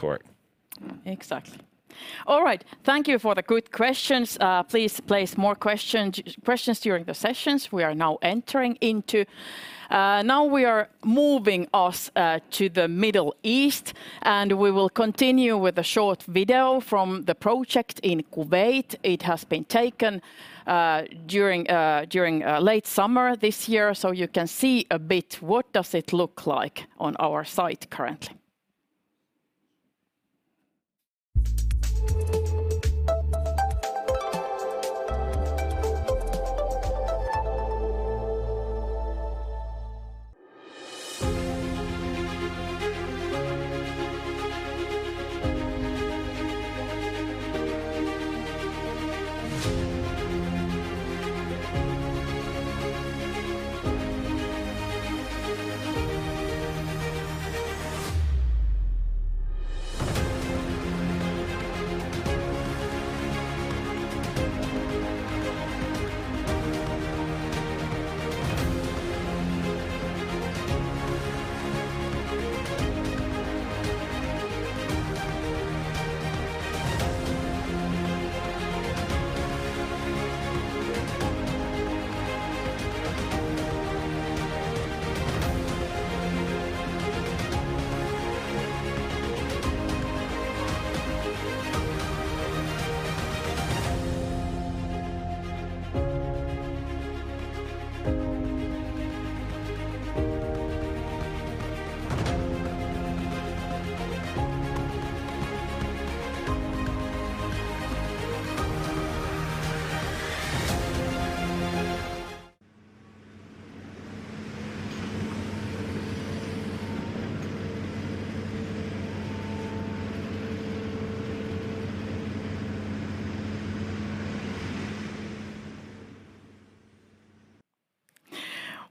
Yes, sir. Correct. Exactly. All right. Thank you for the good questions. Please place more questions during the sessions. Now we are moving us to the Middle East, and we will continue with a short video from the project in Kuwait. It has been taken during late summer this year, so you can see a bit what does it look like on our site currently.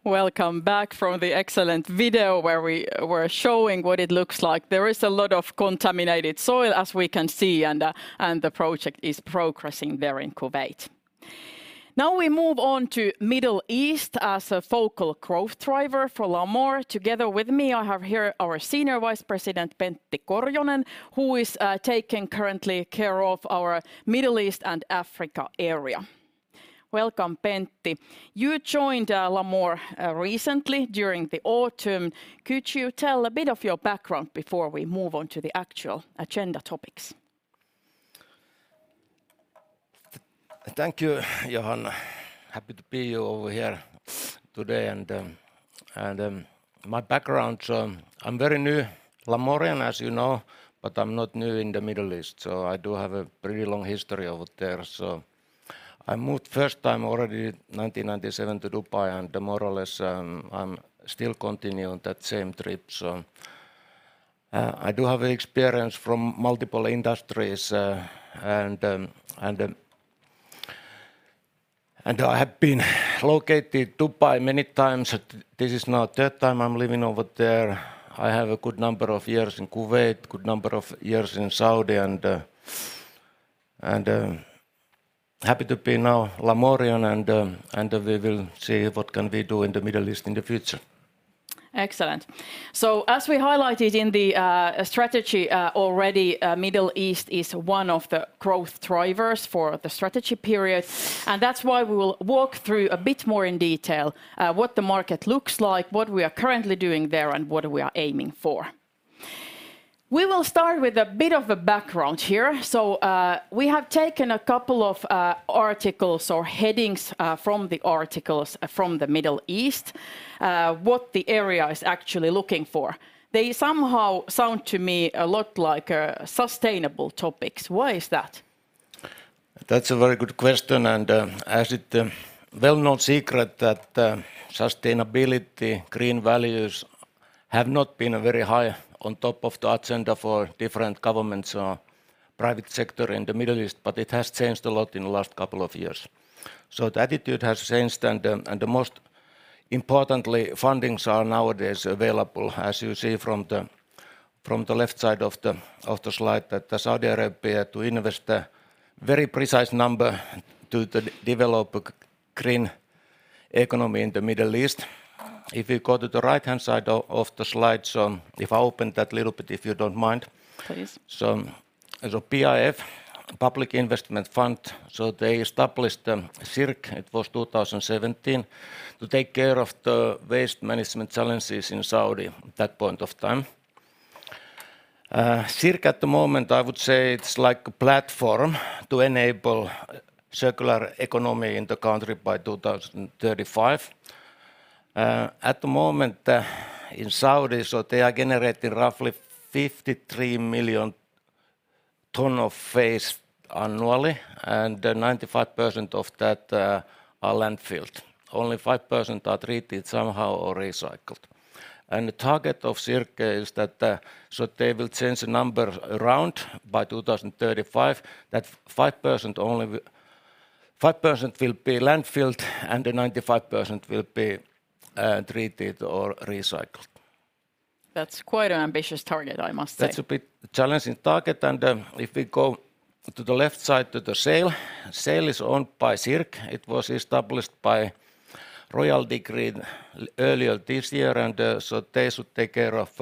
Welcome back from the excellent video where we were showing what it looks like. There is a lot of contaminated soil, as we can see, and the project is progressing there in Kuwait. Now we move on to Middle East as a focal growth driver for Lamor. Together with me, I have here our Senior Vice President, Pentti Korjonen, who is taking currently care of our Middle East and Africa area. Welcome, Pentti. You joined Lamor recently during the autumn. Could you tell a bit of your background before we move on to the actual agenda topics? Thank you, Johanna. Happy to be over here today. My background, I'm very new Lamorian, as you know, but I'm not new in the Middle East. I do have a pretty long history over there. I moved first time already 1997 to Dubai, more or less, I'm still continuing that same trip. I do have experience from multiple industries. I have been located Dubai many times. This is now third time I'm living over there. I have a good number of years in Kuwait, good number of years in Saudi. Happy to be now Lamorian. We will see what can we do in the Middle East in the future. Excellent. As we highlighted in the strategy already, Middle East is one of the growth drivers for the strategy period, and that's why we will walk through a bit more in detail what the market looks like, what we are currently doing there, and what we are aiming for. We will start with a bit of a background here. We have taken a couple of articles or headings from the articles from the Middle East what the area is actually looking for. They somehow sound to me a lot like sustainable topics. Why is that? That's a very good question, and as it a well-known secret that sustainability, green values have not been very high on top of the agenda for different governments or private sector in the Middle East, but it has changed a lot in the last couple of years. The attitude has changed, and most importantly, fundings are nowadays available. As you see from the left side of the slide, that Saudi Arabia to invest a very precise number to develop a green economy in the Middle East. If you go to the right-hand side of the slide. If I open that little bit, if you don't mind. Please. As of PIF, Public Investment Fund, they established the SIRC, it was 2017, to take care of the waste management challenges in Saudi that point of time. SIRC at the moment, I would say it's like a platform to enable circular economy in the country by 2035. At the moment, in Saudi, they are generating roughly 53 million ton of waste annually, and 95% of that are landfilled. Only 5% are treated somehow or recycled. The target of SIRC is that they will change the number around by 2035, that 5% only 5% will be landfilled, and the 95% will be treated or recycled. That's quite an ambitious target, I must say. That's a bit challenging target. If we go to the left side to the SAIL is owned by SIRC. It was established by royal decree earlier this year, they should take care of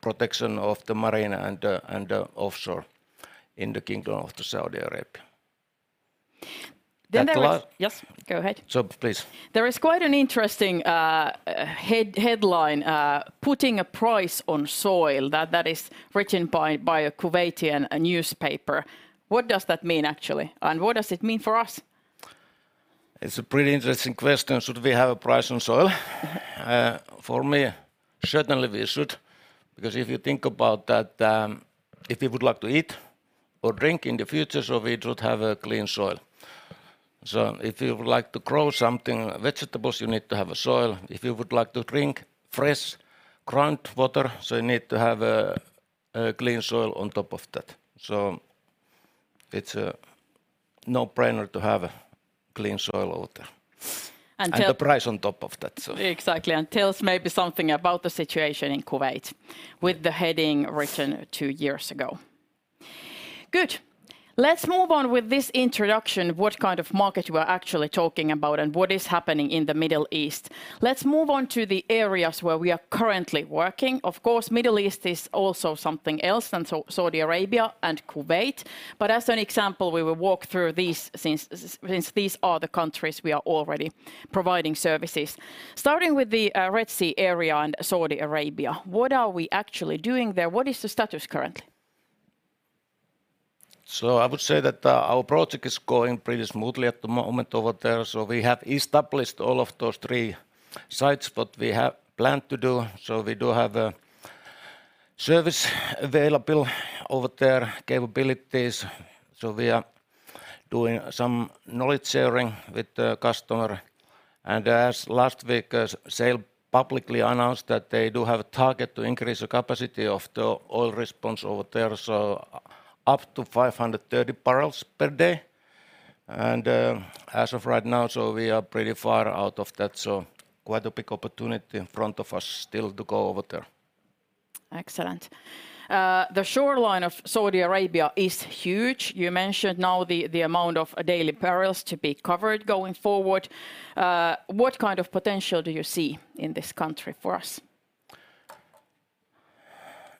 protection of the marine and offshore in the Kingdom of Saudi Arabia. Then there was- That li- Yes, go ahead. Please. There is quite an interesting headline, Putting a Price on Soil, that is written by a Kuwaiti, a newspaper. What does that mean, actually? And what does it mean for us? It's a pretty interesting question. Should we have a price on soil? For me, certainly we should, because if you think about that, if you would like to eat or drink in the future, we should have a clean soil. If you would like to grow something, vegetables, you need to have a soil. If you would like to drink fresh ground water, you need to have a clean soil on top of that. It's a no-brainer to have clean soil out there. tell- A price on top of that soil. Exactly, tells maybe something about the situation in Kuwait. Mm with the heading written 2 years ago. Good. Let's move on with this introduction, what kind of market we're actually talking about and what is happening in the Middle East. Let's move on to the areas where we are currently working. Of course, Middle East is also something else than Saudi Arabia and Kuwait, but as an example, we will walk through these, since these are the countries we are already providing services. Starting with the Red Sea area and Saudi Arabia, what are we actually doing there? What is the status currently? I would say that our project is going pretty smoothly at the moment over there. We have established all of those three sites what we have planned to do, so we do have a service available over there, capabilities, so we are doing some knowledge-sharing with the customer. Last week as SAIL publicly announced that they do have a target to increase the capacity of the oil response over there, up to 530 barrels per day. As of right now, so we are pretty far out of that, so quite a big opportunity in front of us still to go over there. Excellent. The shoreline of Saudi Arabia is huge. You mentioned now the amount of daily barrels to be covered going forward. What kind of potential do you see in this country for us?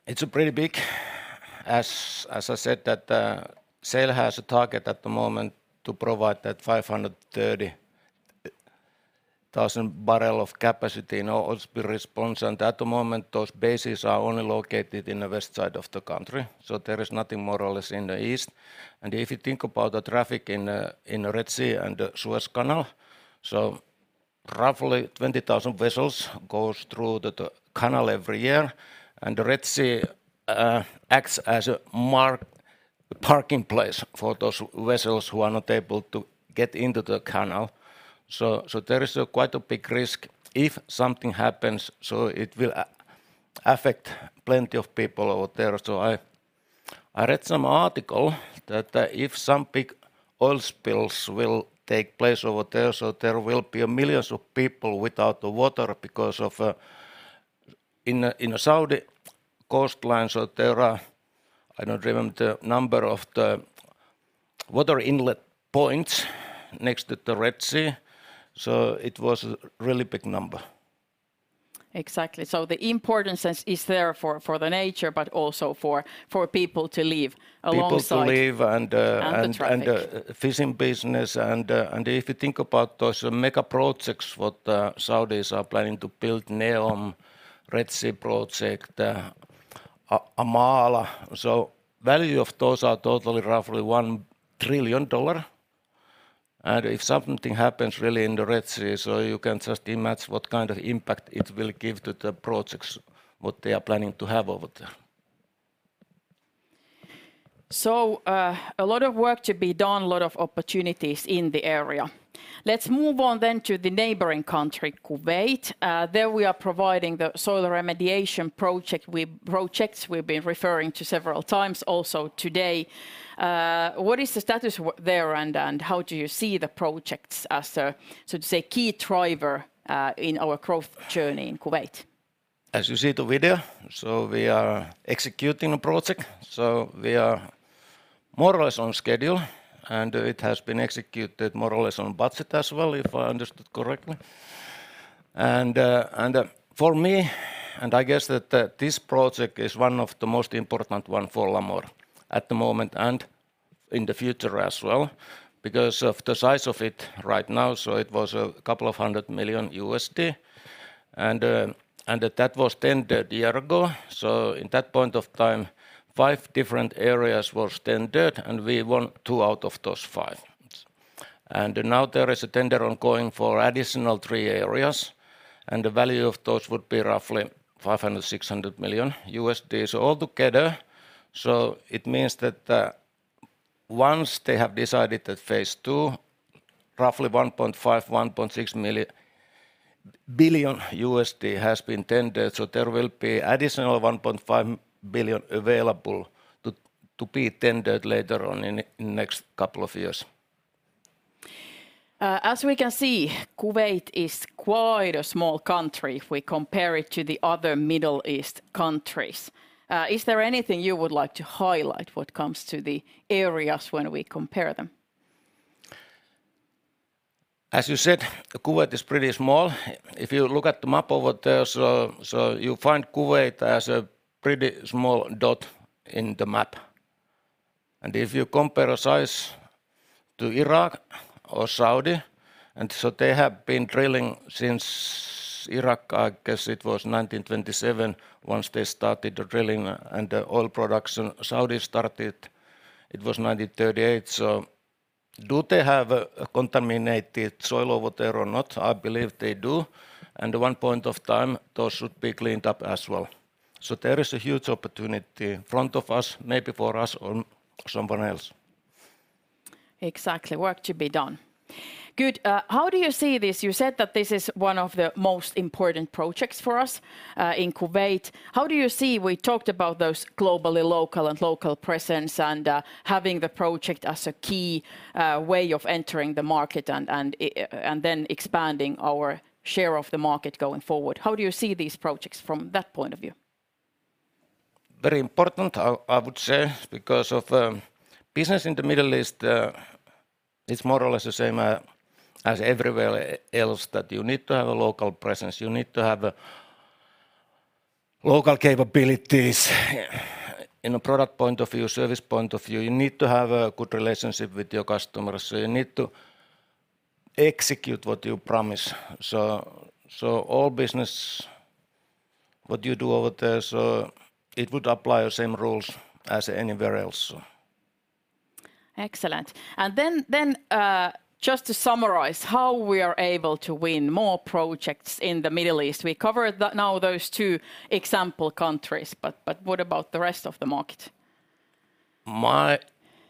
It's a pretty big. As I said, that SAIL has a target at the moment to provide that 530,000 barrel of capacity in oil spill response. At the moment, those bases are only located in the west side of the country, so there is nothing more or less in the east. If you think about the traffic in the Red Sea and the Suez Canal, so roughly 20,000 vessels goes through the canal every year. The Red Sea acts as a parking place for those vessels who are not able to get into the canal. So there is a quite a big risk if something happens, so it will affect plenty of people out there. I read some article that if some big oil spills will take place over there will be a millions of people without the water because of. In the Saudi coastlines, there are, I don't remember the number of the water inlet points next to the Red Sea. It was a really big number. Exactly. The importance is there for the nature, but also for people to live alongside- People to live. and the traffic and fishing business. If you think about those mega projects what the Saudis are planning to build, NEOM, Red Sea Project, Amaala, value of those are totally roughly $1 trillion. If something happens really in the Red Sea, you can just imagine what kind of impact it will give to the projects, what they are planning to have over there. A lot of work to be done, a lot of opportunities in the area. Let's move on then to the neighboring country, Kuwait. There we are providing the soil remediation projects we've been referring to several times also today. What is the status there and how do you see the projects as a, so to say, key driver in our growth journey in Kuwait? As you see the video, so we are executing a project, so we are more or less on schedule, and it has been executed more or less on budget as well, if I understood correctly. For me, and I guess that this project is one of the most important one for Lamor at the moment and in the future as well because of the size of it right now, so it was $200 million. That that was tendered a year ago, so in that point of time, 5 different areas was tendered, and we won 2 out of those 5. Now there is a tender ongoing for additional 3 areas, and the value of those would be roughly $500 to 600 million. All together, so it means that once they have decided that phase two roughly $1.5 to 1.6 billion USD has been tendered, so there will be additional $1.5 billion available to be tendered later on in the next couple of years. As we can see, Kuwait is quite a small country if we compare it to the other Middle East countries. Is there anything you would like to highlight what comes to the areas when we compare them? As you said, Kuwait is pretty small. If you look at the map over there, so you'll find Kuwait as a pretty small dot in the map. If you compare a size to Iraq or Saudi, and so they have been drilling since Iraq, I guess it was 1927, once they started drilling, and oil production, Saudi started, it was 1938. Do they have contaminated soil over there or not? I believe they do. At one point of time, those should be cleaned up as well. There is a huge opportunity in front of us, maybe for us or someone else. Exactly. Work to be done. Good. How do you see this? You said that this is one of the most important projects for us in Kuwait. We talked about those globally local and local presence and having the project as a key way of entering the market and then expanding our share of the market going forward. How do you see these projects from that point of view? Very important, I would say because of business in the Middle East, it's more or less the same as everywhere else that you need to have a local presence. You need to have local capabilities in a product point of view, service point of view. You need to have a good relationship with your customers. You need to execute what you promise. All business, what you do over there, it would apply the same rules as anywhere else. Excellent. Just to summarize, how we are able to win more projects in the Middle East. We covered now those two example countries, but what about the rest of the market? My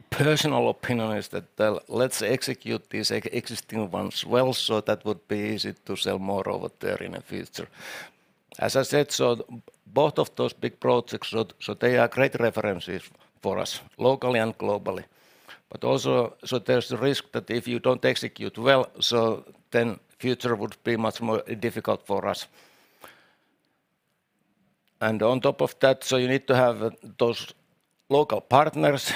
personal opinion is that let's execute these existing ones well, so that would be easy to sell more over there in the future. As I said, both of those big projects, so they are great references for us locally and globally. Also, there's the risk that if you don't execute well, so then future would be much more difficult for us. On top of that, you need to have those local partners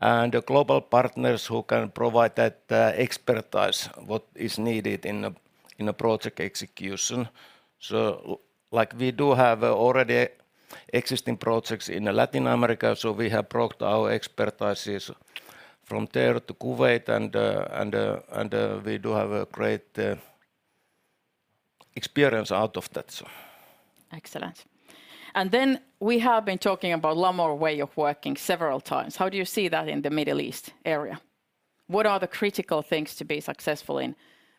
and the global partners who can provide that expertise, what is needed in a project execution. Like we do have already existing projects in Latin America, so we have brought our expertises from there to Kuwait, and we do have a great experience out of that. Excellent. We have been talking about Lamor way of working several times. How do you see that in the Middle East area? What are the critical things to be successful in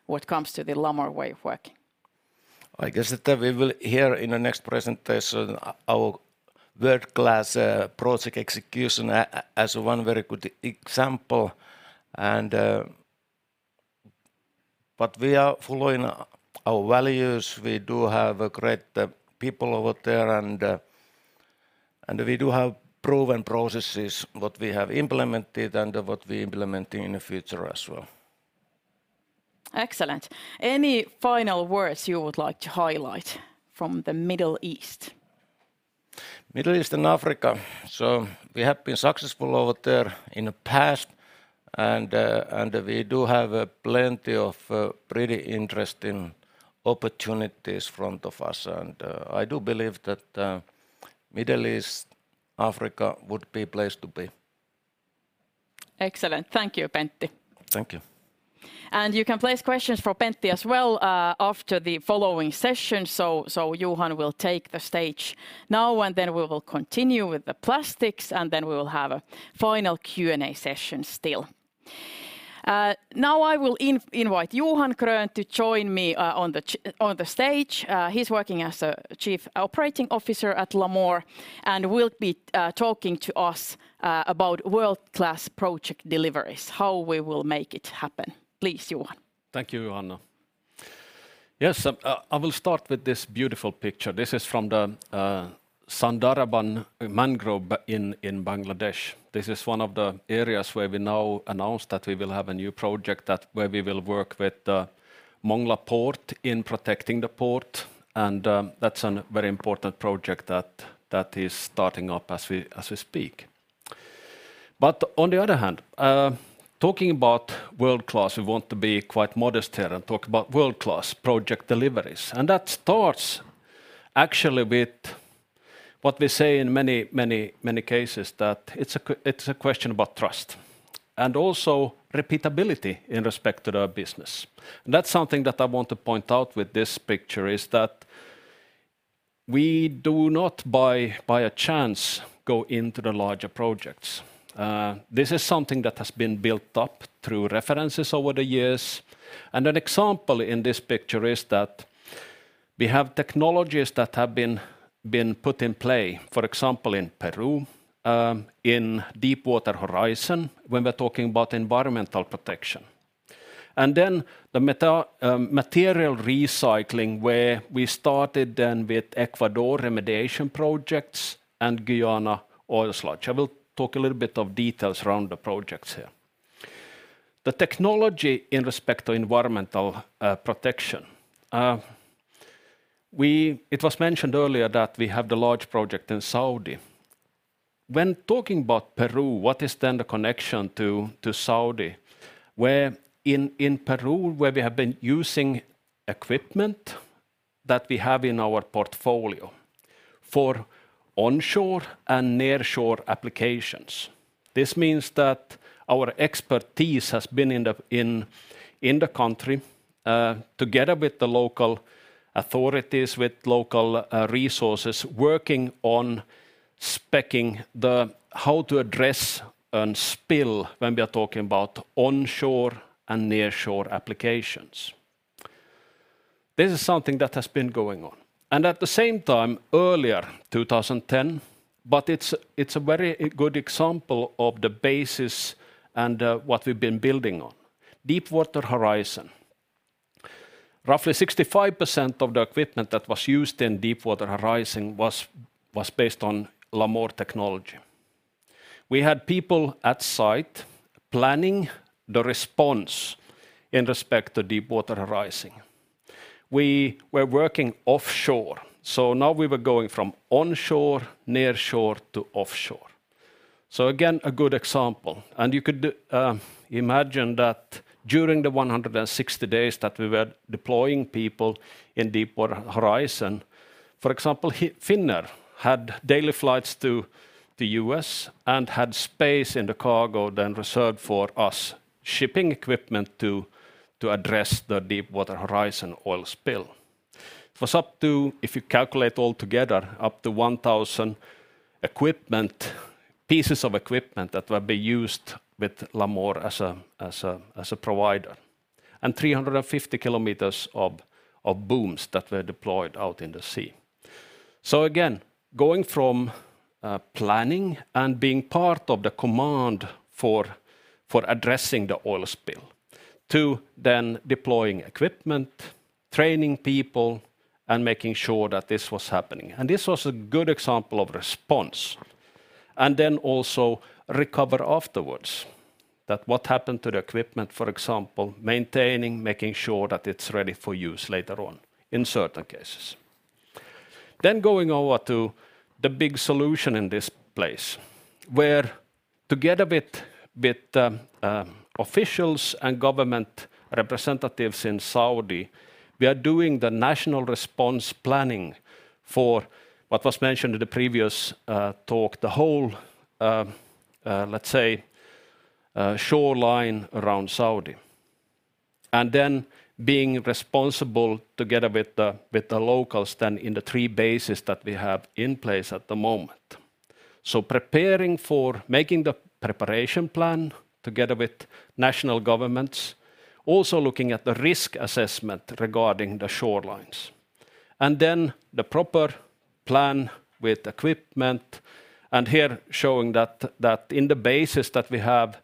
what comes to the Lamor way of working? I guess that we will hear in the next presentation our world-class project execution as one very good example. We are following our values. We do have a great people over there, and we do have proven processes, what we have implemented and what we implementing in the future as well. Excellent. Any final words you would like to highlight from the Middle East? Middle East and Africa, we have been successful over there in the past, and we do have plenty of pretty interesting opportunities in front of us. I do believe that Middle East, Africa would be place to be. Excellent. Thank you, Pentti. Thank you. You can place questions for Pentti as well, after the following session. Johan will take the stage now, then we will continue with the plastics, then we will have a final Q&A session still. Now I will invite Johan Grön to join me on the stage. He's working as a Chief Operating Officer at Lamor and will be talking to us about world-class project deliveries, how we will make it happen. Please, Johan. Thank you, Johanna. Yes, I will start with this beautiful picture. This is from the Sundarban mangrove in Bangladesh. This is one of the areas where we now announced that we will have a new project where we will work with Mongla Port in protecting the port, and that's a very important project that is starting up as we speak. On the other hand, talking about world-class, we want to be quite modest here and talk about world-class project deliveries, and that starts actually with what we say in many cases, that it's a question about trust and also repeatability in respect to the business. That's something that I want to point out with this picture, is that we do not by a chance go into the larger projects. This is something that has been built up through references over the years. An example in this picture is that we have technologies that have been put in play, for example, in Peru, in Deepwater Horizon, when we're talking about environmental protection. The material recycling, where we started then with Ecuador remediation projects and Guyana oil sludge. I will talk a little bit of details around the projects here. The technology in respect to environmental protection. It was mentioned earlier that we have the large project in Saudi. When talking about Peru, what is then the connection to Saudi? Where in Peru, where we have been using equipment that we have in our portfolio for onshore and nearshore applications. This means that our expertise has been in the country, together with the local authorities, with local resources, working on speccing the how to address an spill when we are talking about onshore and nearshore applications. This is something that has been going on. At the same time, earlier, 2010, but it's a very good example of the basis and what we've been building on. Deepwater Horizon. Roughly 65% of the equipment that was used in Deepwater Horizon was based on Lamor technology. We had people at site planning the response in respect to Deepwater Horizon. We were working offshore, so now we were going from onshore, nearshore to offshore. Again, a good example. You could imagine that during the 160 days that we were deploying people in Deepwater Horizon, for example, Finnair had daily flights to the US and had space in the cargo then reserved for us, shipping equipment to address the Deepwater Horizon oil spill. It was up to, if you calculate all together, up to 1,000 pieces of equipment that were being used with Lamor as a provider, and 350 km of booms that were deployed out in the sea. Again, going from planning and being part of the command for addressing the oil spill, to then deploying equipment, training people, and making sure that this was happening. This was a good example of response, and then also recover afterwards. That what happened to the equipment, for example, maintaining, making sure that it's ready for use later on in certain cases. Going over to the big solution in this place, where together with officials and government representatives in Saudi, we are doing the national response planning for what was mentioned in the previous talk, the whole, let's say, shoreline around Saudi. Being responsible together with the locals then in the three bases that we have in place at the moment. Preparing for making the preparation plan together with national governments, also looking at the risk assessment regarding the shorelines. The proper plan with equipment, here showing that in the bases that we have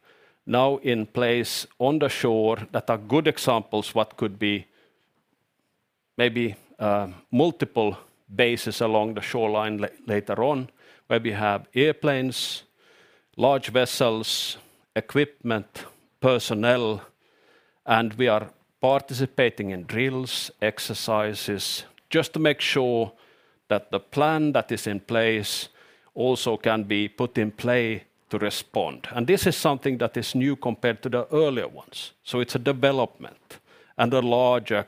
now in place on the shore that are good examples what could be maybe multiple bases along the shoreline later on, where we have airplanes, large vessels, equipment, personnel, and we are participating in drills, exercises, just to make sure that the plan that is in place also can be put in play to respond. This is something that is new compared to the earlier ones. It's a development and a larger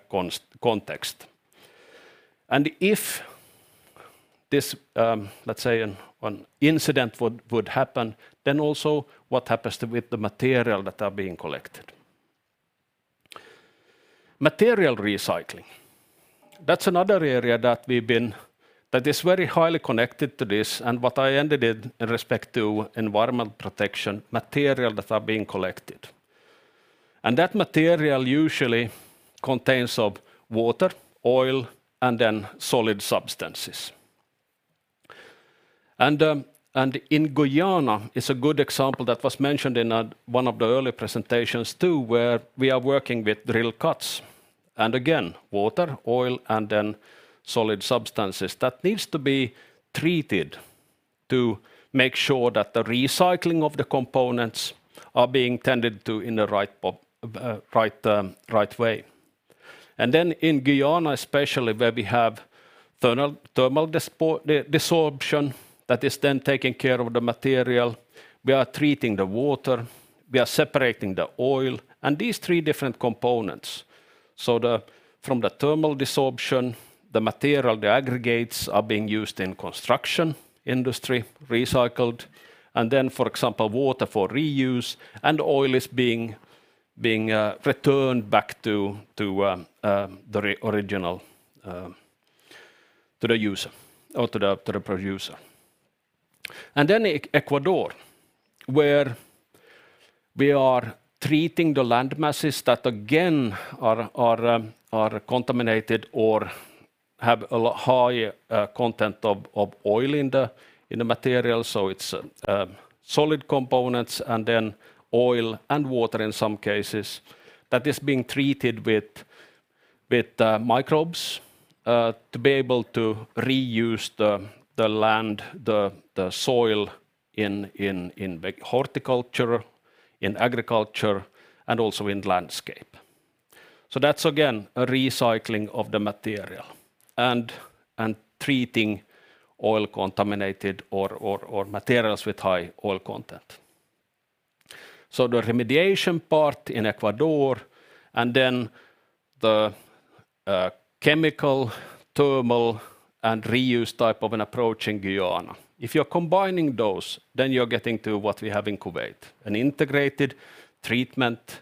context. This, let's say an incident would happen, then also what happens with the material that are being collected. Material recycling, that's another area that we've been that is very highly connected to this, what I ended in respect to environmental protection, material that are being collected. That material usually contains of water, oil, and then solid substances. In Guyana is a good example that was mentioned in one of the early presentations too where we are working with drill cuts. Again, water, oil, and then solid substances that needs to be treated to make sure that the recycling of the components are being tended to in the right way. In Guyana especially, where we have thermal desorption that is then taking care of the material, we are treating the water, we are separating the oil, and these three different components. From the thermal desorption, the material, the aggregates are being used in construction industry, recycled, and then, for example, water for reuse, and oil is being returned back to the original, to the user or to the producer. Then Ecuador, where we are treating the land masses that again are contaminated or have a high content of oil in the material. It's solid components and then oil and water in some cases that is being treated with microbes to be able to reuse the land, the soil in horticulture, in agriculture, and also in landscape. That's again a recycling of the material and treating oil contaminated or materials with high oil content. The remediation part in Ecuador and then the chemical, thermal, and reuse type of an approach in Guyana. If you're combining those, you're getting to what we have in Kuwait, an integrated treatment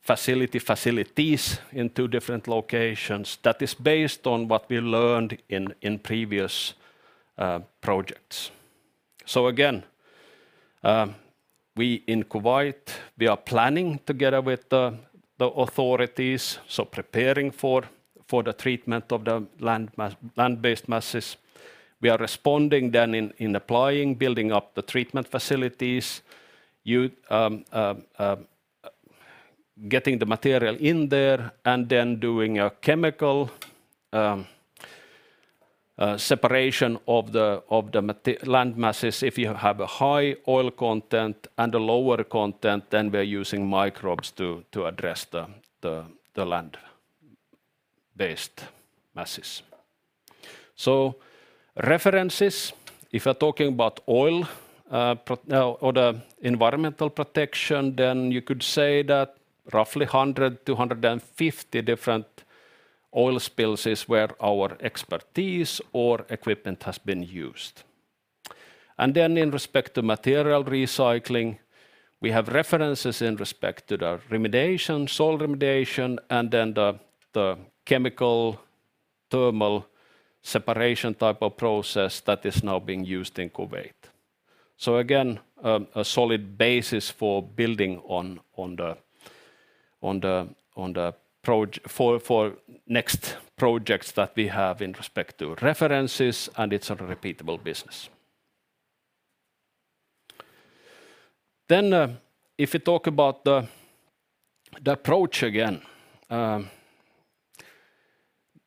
facility, facilities in two different locations that is based on what we learned in previous projects. Again, we in Kuwait, we are planning together with the authorities, preparing for the treatment of the land-based masses. We are responding in applying, building up the treatment facilities, getting the material in there, and doing a chemical separation of the land masses. If you have a high oil content and a lower content, we're using microbes to address the land-based masses. References, if we're talking about oil, or the environmental protection, you could say that roughly 100 to 150 different oil spills is where our expertise or equipment has been used. In respect to material recycling, we have references in respect to the remediation, soil remediation, and then the chemical thermal separation type of process that is now being used in Kuwait. Again, a solid basis for building on the next projects that we have in respect to references, and it's a repeatable business. If you talk about the approach again,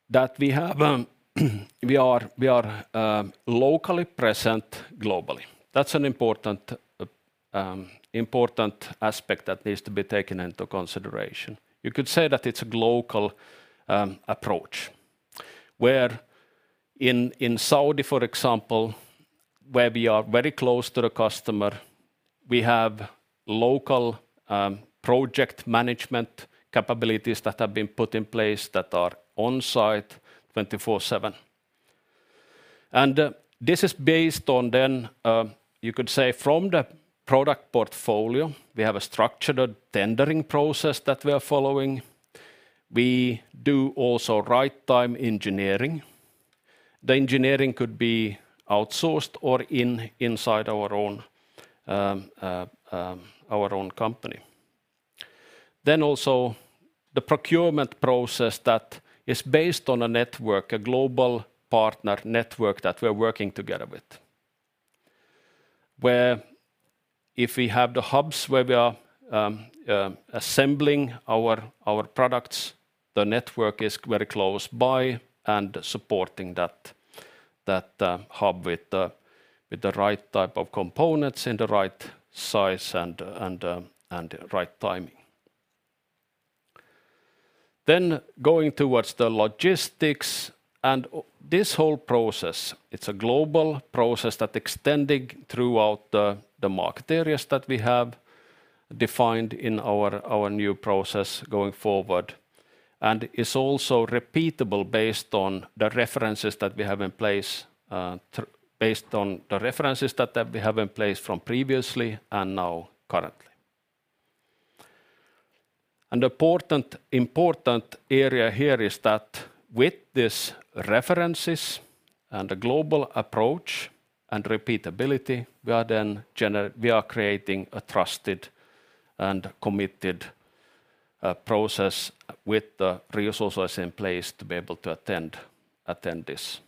that we have, we are locally present globally. That's an important aspect that needs to be taken into consideration. You could say that it's a local, approach, where in Saudi, for example, where we are very close to the customer, we have local, project management capabilities that have been put in place that are on-site 24/7. This is based on then, you could say from the product portfolio, we have a structured tendering process that we are following. We do also right time engineering. The engineering could be outsourced or inside our own company. Also the procurement process that is based on a network, a global partner network that we're working together with, where if we have the hubs where we are assembling our products, the network is very close by and supporting that hub with the right type of components in the right size and right timing. Going towards the logistics and this whole process, it's a global process that extending throughout the market areas that we have. Defined in our new process going forward, and is also repeatable based on the references that we have in place from previously and now currently. An important area here is that with this references and the global approach and repeatability, we are then We are creating a trusted and committed process with the resources in place to be able to attend this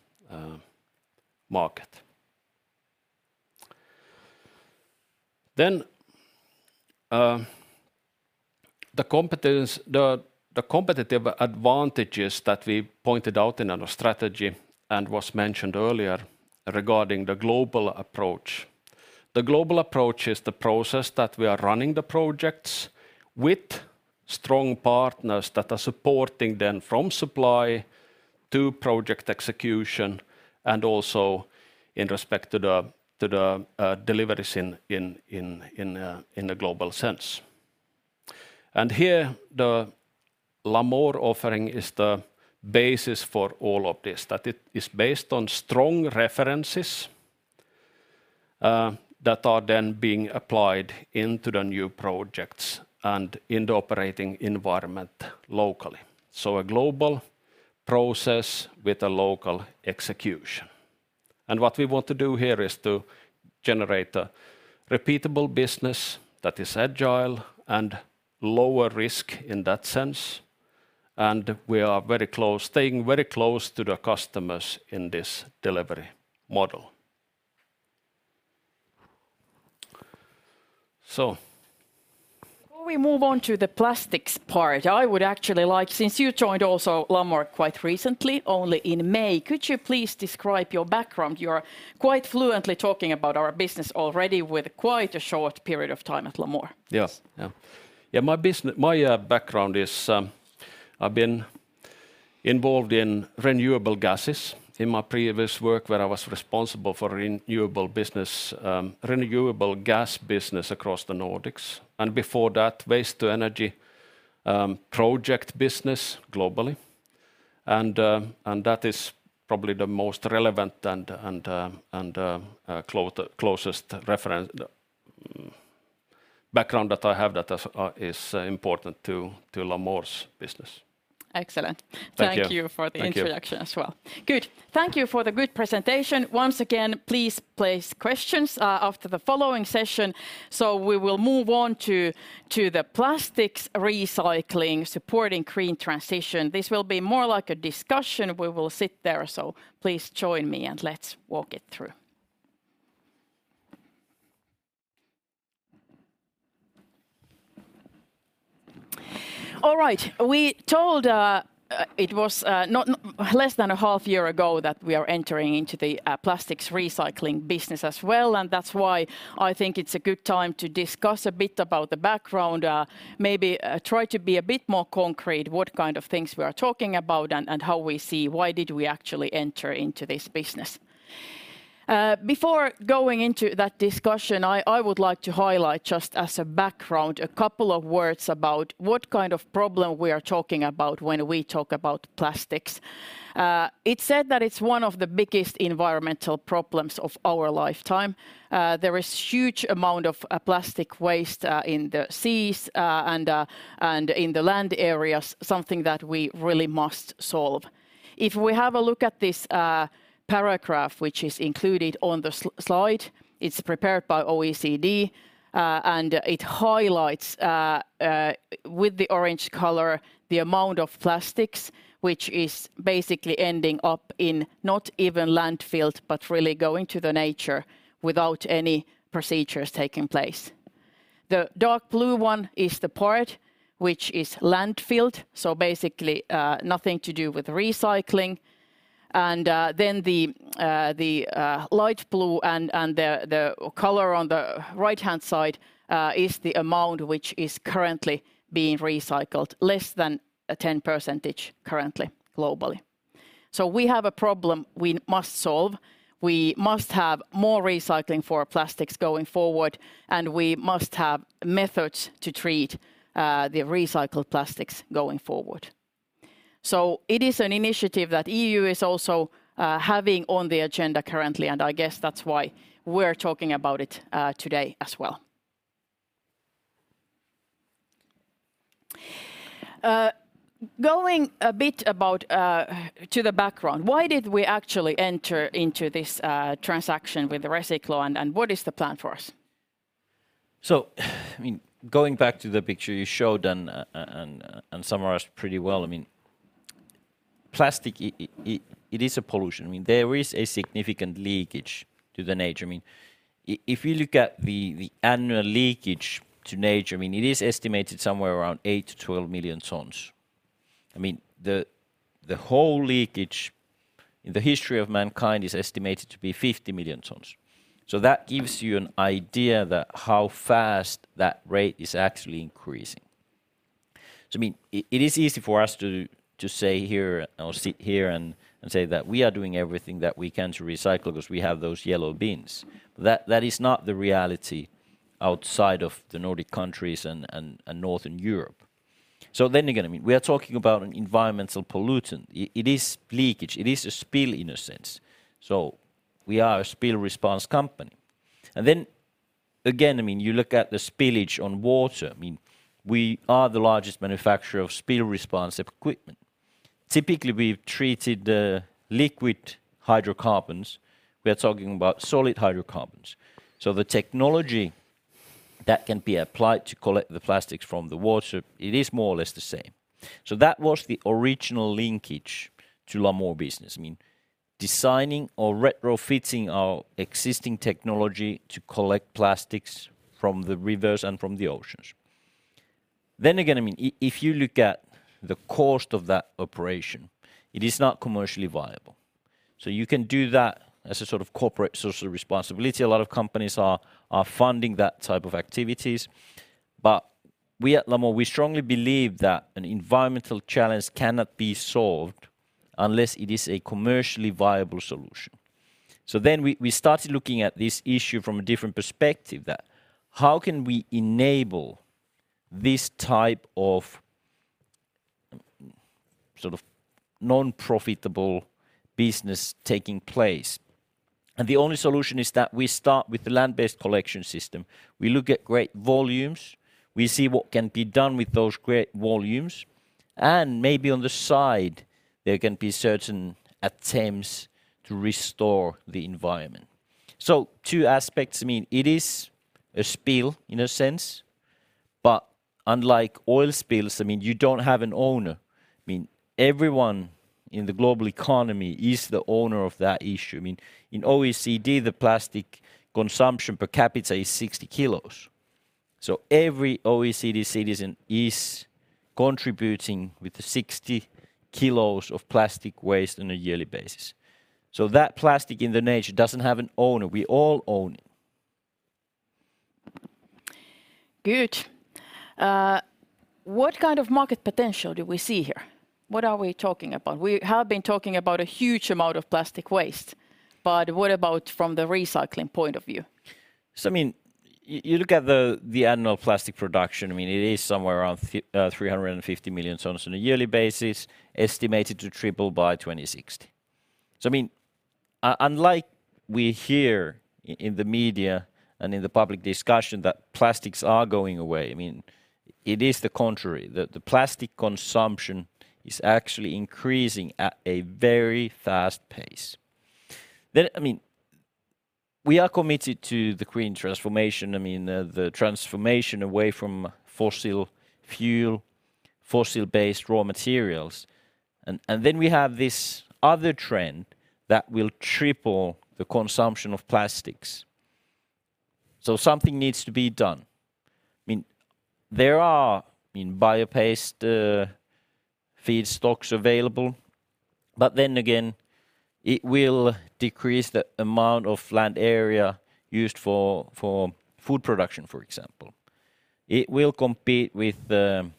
market. The competence, the competitive advantages that we pointed out in our strategy and was mentioned earlier regarding the global approach. The global approach is the process that we are running the projects with strong partners that are supporting then from supply to project execution, and also in respect to the deliveries in a global sense. Here, the Lamor offering is the basis for all of this, that it is based on strong references that are then being applied into the new projects and in the operating environment locally. A global process with a local execution. What we want to do here is to generate a repeatable business that is agile and lower risk in that sense. We are very close, staying very close to the customers in this delivery model. Before we move on to the plastics part, I would actually like, since you joined also Lamor quite recently, only in May, could you please describe your background? You are quite fluently talking about our business already with quite a short period of time at Lamor. Yes. My background is, I've been involved in renewable gases in my previous work where I was responsible for renewable business, renewable gas business across the Nordics, and before that, waste-to-energy project business globally. That is probably the most relevant and, the closest background that I have that is important to Lamor's business. Excellent. Thank you. Thank you for the- Thank you.... introduction as well. Good. Thank you for the good presentation. Once again, please place questions after the following session. We will move on to the plastics recycling supporting green transition. This will be more like a discussion. We will sit there. Please join me. Let's walk it through. All right. We told it was not less than a half year ago that we are entering into the plastics recycling business as well. That's why I think it's a good time to discuss a bit about the background, maybe try to be a bit more concrete what kind of things we are talking about and how we see why did we actually enter into this business. Before going into that discussion, I would like to highlight just as a background a couple of words about what kind of problem we are talking about when we talk about plastics. It's said that it's one of the biggest environmental problems of our lifetime. There is huge amount of plastic waste in the seas and in the land areas, something that we really must solve. If we have a look at this paragraph, which is included on the slide, it's prepared by OECD, and it highlights with the orange color the amount of plastics, which is basically ending up in not even landfill but really going to the nature without any procedures taking place. The dark blue one is the part which is landfilled, so basically, nothing to do with recycling. Then the light blue and the color on the right-hand side is the amount which is currently being recycled, less than a 10% currently globally. We have a problem we must solve. We must have more recycling for our plastics going forward, and we must have methods to treat the recycled plastics going forward. It is an initiative that EU is also having on the agenda currently, and I guess that's why we're talking about it today as well. Going a bit about to the background, why did we actually enter into this transaction with Resiclo and what is the plan for us? I mean, going back to the picture you showed and summarized pretty well, I mean, plastic, it is a pollution. I mean, there is a significant leakage to the nature. I mean, if you look at the annual leakage to nature, I mean, it is estimated somewhere around 8 to 12 million tons. I mean, the whole leakage in the history of mankind is estimated to be 50 million tons, so that gives you an idea that how fast that rate is actually increasing. I mean, it is easy for us to say here or sit here and say that we are doing everything that we can to recycle 'cause we have those yellow bins. That is not the reality outside of the Nordic countries and Northern Europe. Then again, I mean, we are talking about an environmental pollutant. It is leakage. It is a spill in a sense, so we are a spill response company. Then again, I mean, you look at the spillage on water, I mean, we are the largest manufacturer of spill response equipment. Typically, we've treated liquid hydrocarbons. We are talking about solid hydrocarbons. The technology that can be applied to collect the plastics from the water, it is more or less the same. That was the original linkage to Lamor business. I mean, designing or retrofitting our existing technology to collect plastics from the rivers and from the oceans. Again, I mean, if you look at the cost of that operation, it is not commercially viable. You can do that as a sort of corporate social responsibility. A lot of companies are funding that type of activities. We at Lamor, we strongly believe that an environmental challenge cannot be solved unless it is a commercially viable solution. We started looking at this issue from a different perspective that, how can we enable this type of, sort of non-profitable business taking place? The only solution is that we start with the land-based collection system. We look at great volumes. We see what can be done with those great volumes, and maybe on the side there can be certain attempts to restore the environment. Two aspects, I mean, it is a spill in a sense. Unlike oil spills, I mean, you don't have an owner. I mean, everyone in the global economy is the owner of that issue. I mean, in OECD, the plastic consumption per capita is 60 kilos. Every OECD citizen is contributing with the 60 kilos of plastic waste on a yearly basis. That plastic in the nature doesn't have an owner. We all own it. Good. What kind of market potential do we see here? What are we talking about? We have been talking about a huge amount of plastic waste, what about from the recycling point of view? I mean, you look at the annual plastic production, I mean, it is somewhere around 350 million tons on a yearly basis, estimated to triple by 2060. I mean, unlike we hear in the media and in the public discussion that plastics are going away, I mean, it is the contrary. The plastic consumption is actually increasing at a very fast pace. I mean, we are committed to the green transformation. I mean, the transformation away from fossil fuel, fossil-based raw materials and then we have this other trend that will triple the consumption of plastics. Something needs to be done. I mean, there are, I mean, bio-based feedstocks available. It will decrease the amount of land area used for food production, for example. It will compete with the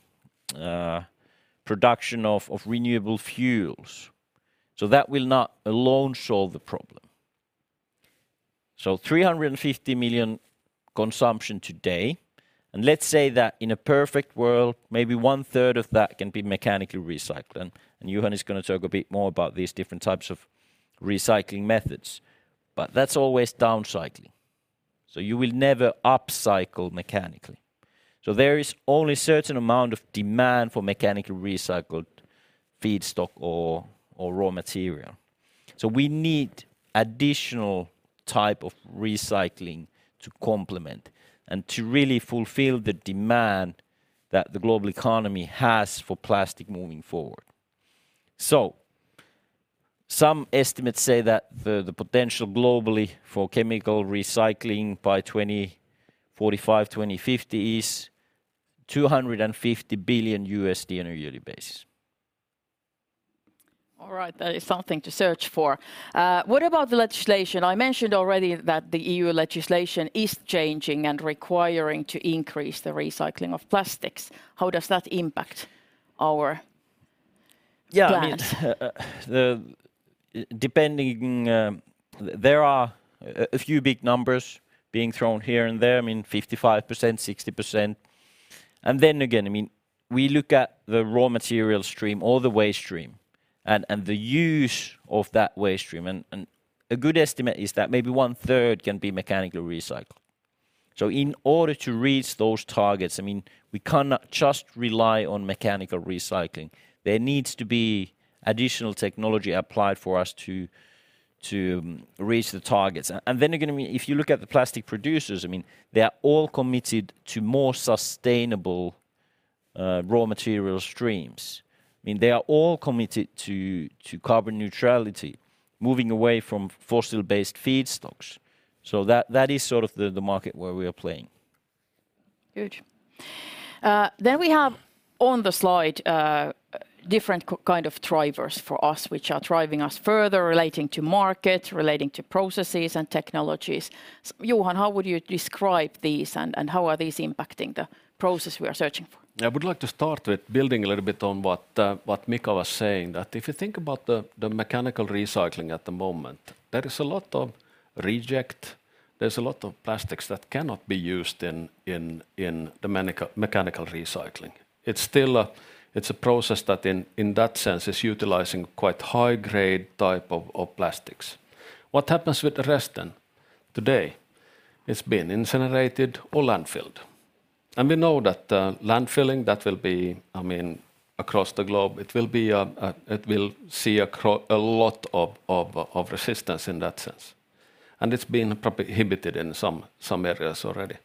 production of renewable fuels. That will not alone solve the problem. 350 million consumption today, and let's say that in a perfect world, maybe 1/3 of that can be mechanically recycled. Juhan going to talk a bit more about these different types of recycling methods. That's always downcycling, so you will never upcycle mechanically. There is only certain amount of demand for mechanical recycled feedstock or raw material. We need additional type of recycling to complement and to really fulfill the demand that the global economy has for plastic moving forward. Some estimates say that the potential globally for chemical recycling by 2045, 2050 is $250 billion on a yearly basis. All right. That is something to search for. What about the legislation? I mentioned already that the EU legislation is changing and requiring to increase the recycling of plastics. How does that impact our- Yeah, I mean.... plans? Depending, there are a few big numbers being thrown here and there, I mean, 55%, 60%. Then again, I mean, we look at the raw material stream or the waste stream and the use of that waste stream and a good estimate is that maybe one-third can be mechanically recycled. In order to reach those targets, I mean, we cannot just rely on mechanical recycling. There needs to be additional technology applied for us to reach the targets. Then again, I mean, if you look at the plastic producers, I mean, they are all committed to more sustainable raw material streams. I mean, they are all committed to carbon neutrality, moving away from fossil-based feedstocks. That is sort of the market where we are playing. Good. Then we have on the slide, different kind of drivers for us which are driving us further relating to market, relating to processes and technologies. Johan, how would you describe these and how are these impacting the process we are searching for? I would like to start with building a little bit on what Mika was saying, that if you think about the mechanical recycling at the moment, there is a lot of reject, there's a lot of plastics that cannot be used in the mechanical recycling. It's still a process that in that sense is utilizing quite high grade type of plastics. What happens with the rest then? Today it's been incinerated or landfilled. We know that landfilling, that will be, I mean, across the globe, it will be, it will see a lot of resistance in that sense, and it's been prohibiting in some areas already.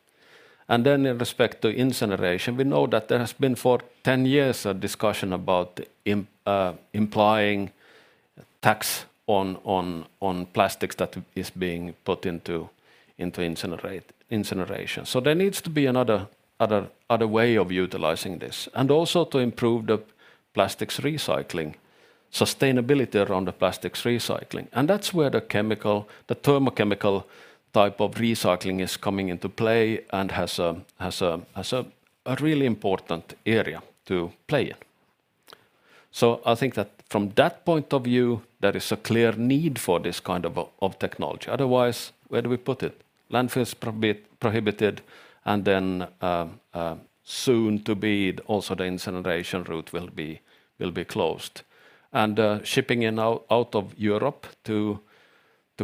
In respect to incineration, we know that there has been for 10 years a discussion about implying tax on plastics that is being put into incineration. There needs to be another other way of utilizing this, and also to improve the plastics recycling, sustainability around the plastics recycling. That's where the chemical, the thermochemical type of recycling is coming into play and has a really important area to play in. I think that from that point of view, there is a clear need for this kind of technology. Otherwise, where do we put it? Landfill is prohibited and then soon to be also the incineration route will be closed. Shipping out of Europe to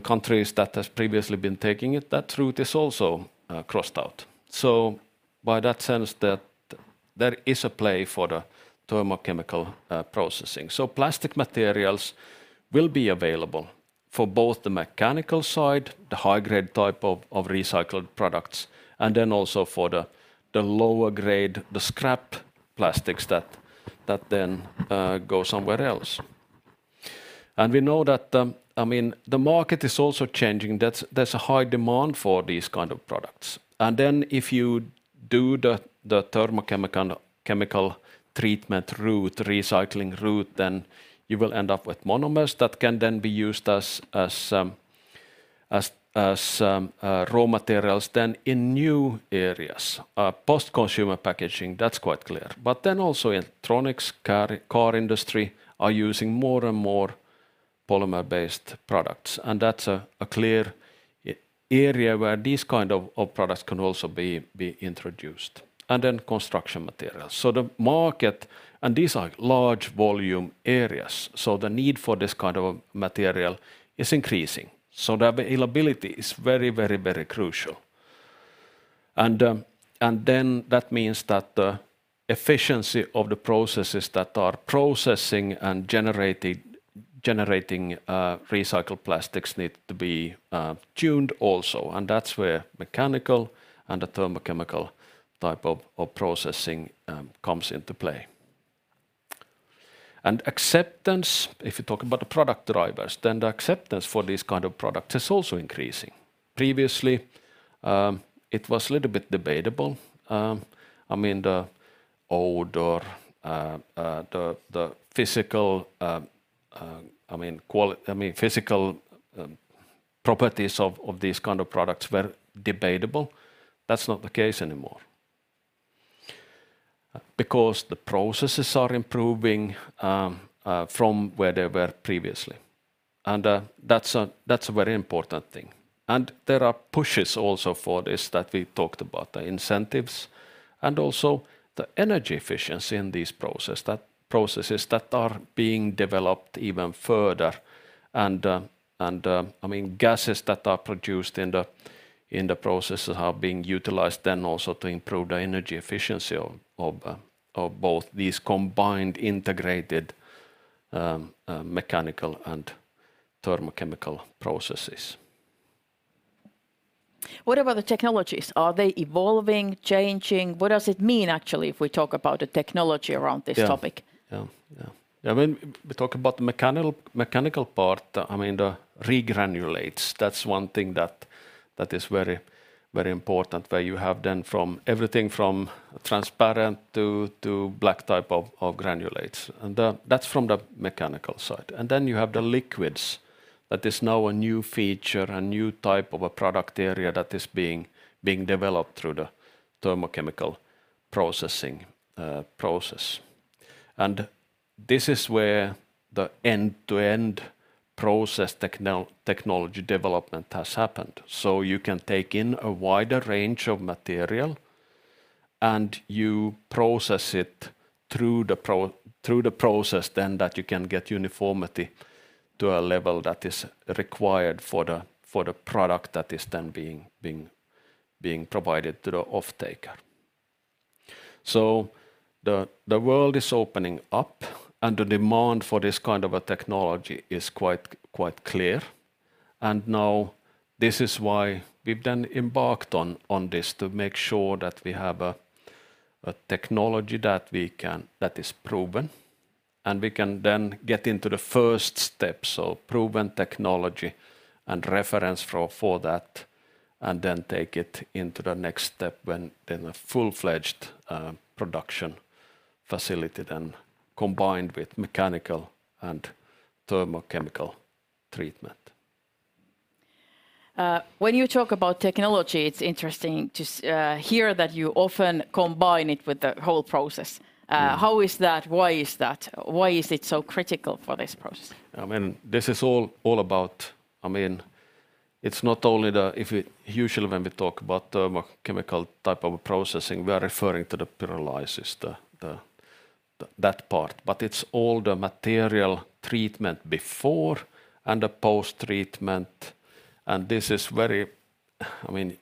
countries that has previously been taking it, that route is also crossed out. By that sense, there is a play for the thermochemical processing. Plastic materials will be available for both the mechanical side, the high grade type of recycled products, and then also for the lower grade, the scrap plastics that then go somewhere else. We know that, I mean, the market is also changing. There's a high demand for these kind of products. If you do the thermochemical treatment route, recycling route, then you will end up with monomers that can then be used as raw materials than in new areas. Post-consumer packaging, that's quite clear. Also electronics, car industry are using more and more polymer-based products, and that's a clear area where these kind of products can also be introduced. Construction materials. The market, and these are large volume areas, so the need for this kind of material is increasing. The availability is very crucial. That means that the efficiency of the processes that are processing and generating recycled plastics need to be tuned also, and that's where mechanical and the thermochemical type of processing comes into play. Acceptance, if you talk about the product drivers, then the acceptance for these kind of products is also increasing. Previously, it was a little bit debatable. I mean, the odor, the physical, I mean, physical properties of these kind of products were debatable. That's not the case anymore because the processes are improving from where they were previously, that's a very important thing. There are pushes also for this that we talked about, the incentives and also the energy efficiency in this process, that processes that are being developed even further and, I mean, gases that are produced in the process are being utilized then also to improve the energy efficiency of both these combined integrated mechanical and thermochemical processes. What about the technologies? Are they evolving, changing? What does it mean actually if we talk about the technology around this topic? Yeah. Yeah. Yeah. I mean, we talk about the mechanical part. I mean, the regranulates, that's one thing that is very, very important, where you have then from everything from transparent to black type of granulates. That's from the mechanical side. Then you have the liquids that is now a new feature, a new type of a product area that is being developed through the thermochemical processing process. This is where the end-to-end process technology development has happened. You can take in a wider range of material, and you process it through the process then that you can get uniformity to a level that is required for the product that is then being provided to the offtaker. The world is opening up, and the demand for this kind of a technology is quite clear. Now this is why we've then embarked on this to make sure that we have a technology that we can, that is proven and we can then get into the first steps of proven technology and reference for that, and then take it into the next step when then a full-fledged production facility then combined with mechanical and thermochemical treatment. When you talk about technology, it's interesting to hear that you often combine it with the whole process. Mm. How is that? Why is that? Why is it so critical for this process? I mean, this is all about. I mean, it's not only the. Usually when we talk about thermochemical type of a processing, we are referring to the pyrolysis, that part. It's all the material treatment before and the post-treatment, and this is very, I mean,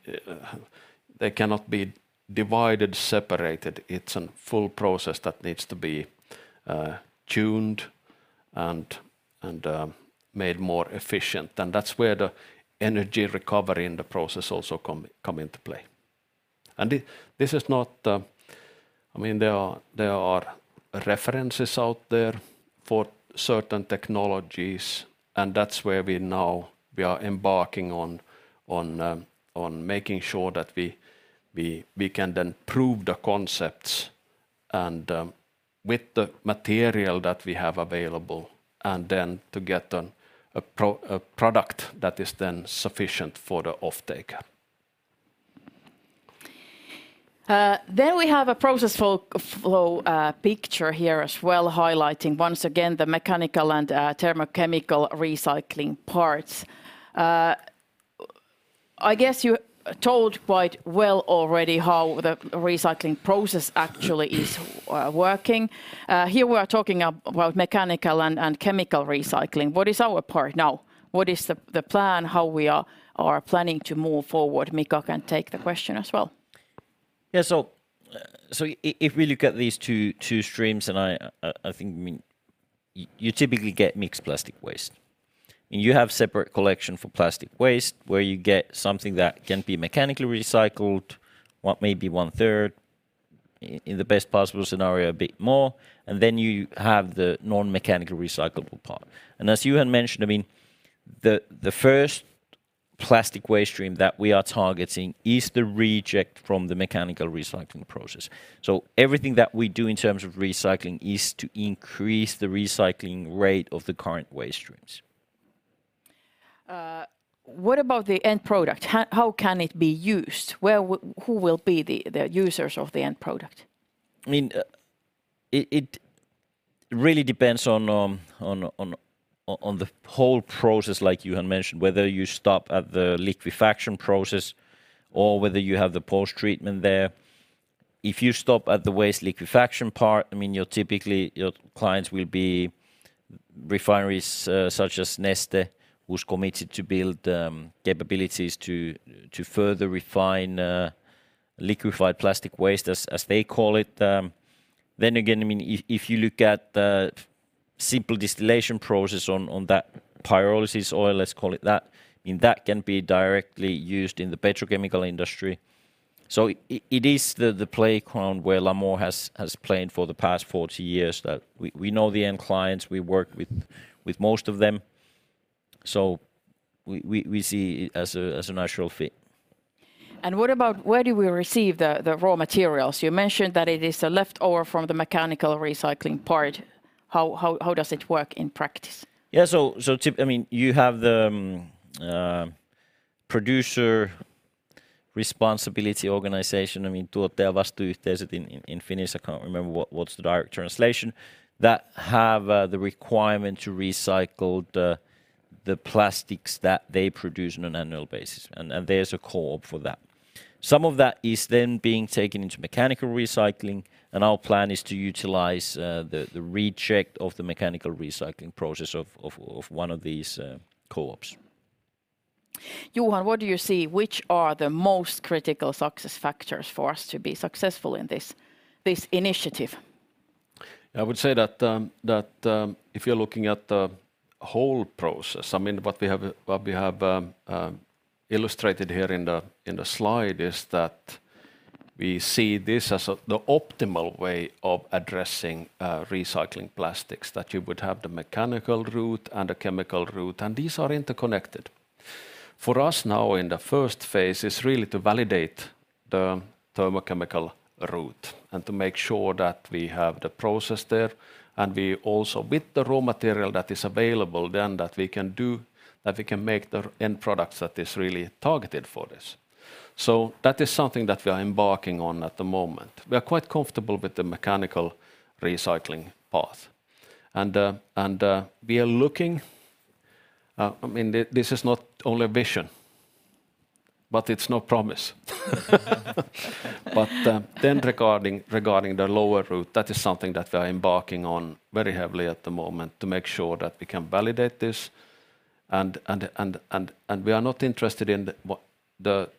they cannot be divided, separated. It's an full process that needs to be tuned and made more efficient. That's where the energy recovery in the process also come into play. This is not the... I mean, there are references out there for certain technologies, and that's where we are embarking on making sure that we can then prove the concepts and with the material that we have available and then to get a product that is then sufficient for the offtake. There we have a process flow picture here as well highlighting once again the mechanical and thermochemical recycling parts. I guess you told quite well already how the recycling process actually is working. Here we are talking about mechanical and chemical recycling. What is our part now? What is the plan, how we are planning to move forward? Mika can take the question as well. If we look at these two streams, I think, I mean, you typically get mixed plastic waste. You have separate collection for plastic waste where you get something that can be mechanically recycled, what may be one-third in the best possible scenario, a bit more, and then you have the non-mechanical recyclable part. As you had mentioned, I mean, the first plastic waste stream that we are targeting is the reject from the mechanical recycling process. Everything that we do in terms of recycling is to increase the recycling rate of the current waste streams. What about the end product? How can it be used? Where who will be the users of the end product? I mean, it really depends on the whole process like you had mentioned, whether you stop at the liquefaction process or whether you have the post-treatment there. If you stop at the waste liquefaction part, I mean, typically, your clients will be refineries such as Neste, who's committed to build capabilities to further refine liquefied plastic waste as they call it. I mean, if you look at the simple distillation process on that pyrolysis oil, let's call it that, I mean, that can be directly used in the petrochemical industry. It is the playground where Lamor has played for the past 40 years, that we know the end clients, we work with most of them, so we see it as a natural fit. What about where do we receive the raw materials? You mentioned that it is a leftover from the mechanical recycling part. How does it work in practice? I mean, you have the producer responsibility organization, I mean, "Tuottajavastuuyhteisöt" in Finnish, I can't remember what's the direct translation, that have the requirement to recycle the plastics that they produce on an annual basis. There's a co-op for that. Some of that is then being taken into mechanical recycling. Our plan is to utilize the reject of the mechanical recycling process of one of these co-ops. Johan, what do you see, which are the most critical success factors for us to be successful in this initiative? I would say that if you're looking at the whole process, I mean, what we have illustrated here in the, in the slide is that we see this as the optimal way of addressing recycling plastics, that you would have the mechanical route and a chemical route, and these are interconnected. For us now, in the first phase is really to validate the thermochemical route and to make sure that we have the process there and we also, with the raw material that is available, then that we can do, that we can make the end products that is really targeted for this. That is something that we are embarking on at the moment. We are quite comfortable with the mechanical recycling path. We are looking, I mean, this is not only a vision, it's no promise. Regarding the lower route, that is something that we are embarking on very heavily at the moment to make sure that we can validate this and we are not interested in the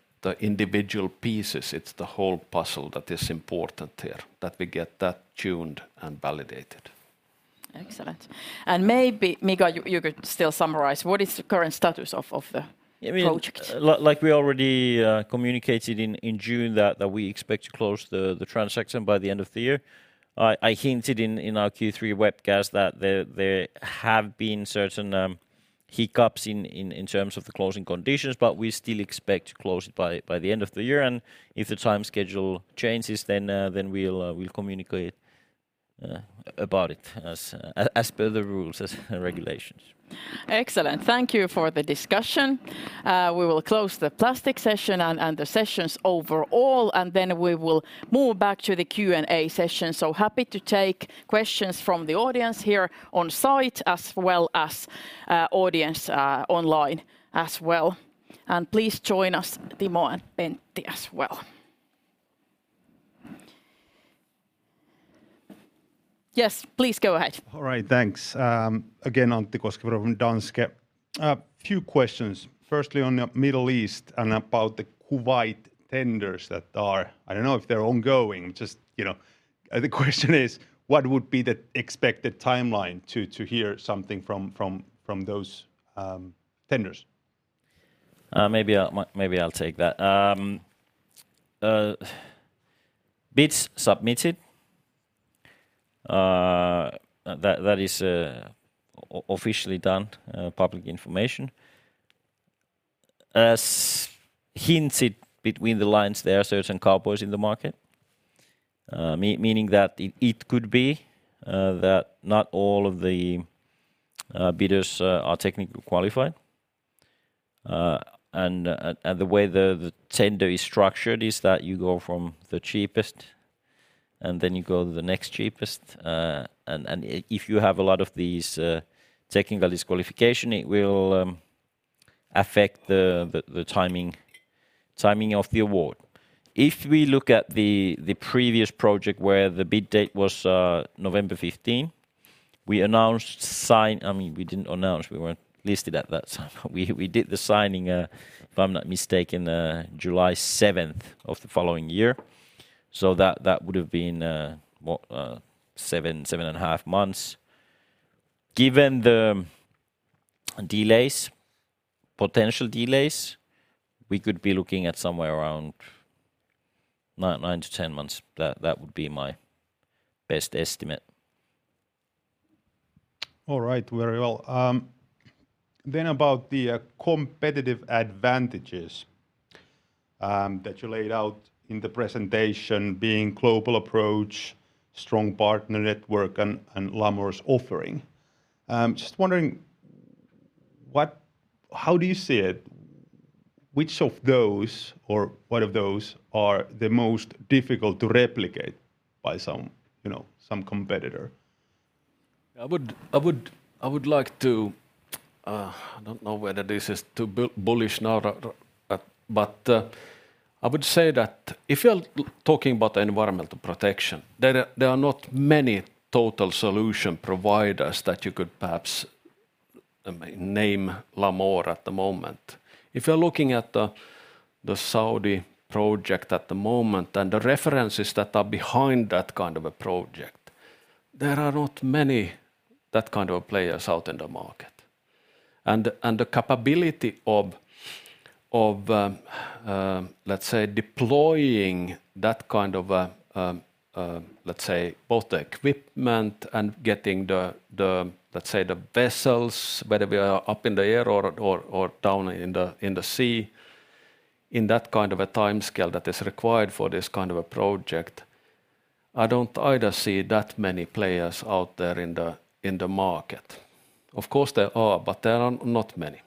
individual pieces. It's the whole puzzle that is important here, that we get that tuned and validated. Excellent. Maybe Mika, you could still summarize what is the current status of the project? I mean, like we already communicated in June that we expect to close the transaction by the end of the year. I hinted in our Q3 webcast that there have been certain hiccups in terms of the closing conditions, but we still expect to close it by the end of the year. If the time schedule changes, then we'll communicate about it as per the rules, as the regulations. Excellent. Thank you for the discussion. We will close the plastic session and the sessions overall, and then we will move back to the Q&A session. Happy to take questions from the audience here on site as well as audience online as well. Please join us, Timo and Pentti as well. Yes, please go ahead. All right. Thanks. Again, Antti Koskinen from Danske. A few questions, firstly on the Middle East and about the Kuwait tenders that are... I don't know if they're ongoing, you know. The question is, what would be the expected timeline to hear something from those tenders? Maybe I'll take that. Bids submitted, that is officially done, public information. As hinted between the lines, there are certain cowboys in the market, meaning that it could be that not all of the bidders are technically qualified. The way the tender is structured is that you go from the cheapest, and then you go to the next cheapest. If you have a lot of these technical disqualification, it will affect the timing of the award. If we look at the previous project where the bid date was November 15, we announced I mean, we didn't announce. We weren't listed at that time. We did the signing, if I'm not mistaken, July 7th of the following year, so that would have been, what, seven and a half months. Given the delays, potential delays, we could be looking at somewhere around 9 to 10 months. That would be my best estimate. All right. Very well. About the competitive advantages that you laid out in the presentation being global approach, strong partner network, and Lamor's offering. Just wondering how do you see it, which of those or what of those are the most difficult to replicate by some, you know, some competitor? I would like to, I don't know whether this is too bullish now, but, I would say that if you're talking about environmental protection, there are not many total solution providers that you could perhaps name Lamor at the moment. If you're looking at the Saudi project at the moment and the references that are behind that kind of a project, there are not many that kind of players out in the market. The capability of, let's say, deploying that kind of, let's say, both the equipment and getting the, let's say, the vessels, whether we are up in the air or down in the sea, in that kind of a timescale that is required for this kind of a project, I don't either see that many players out there in the market. Of course, there are, but there are not many.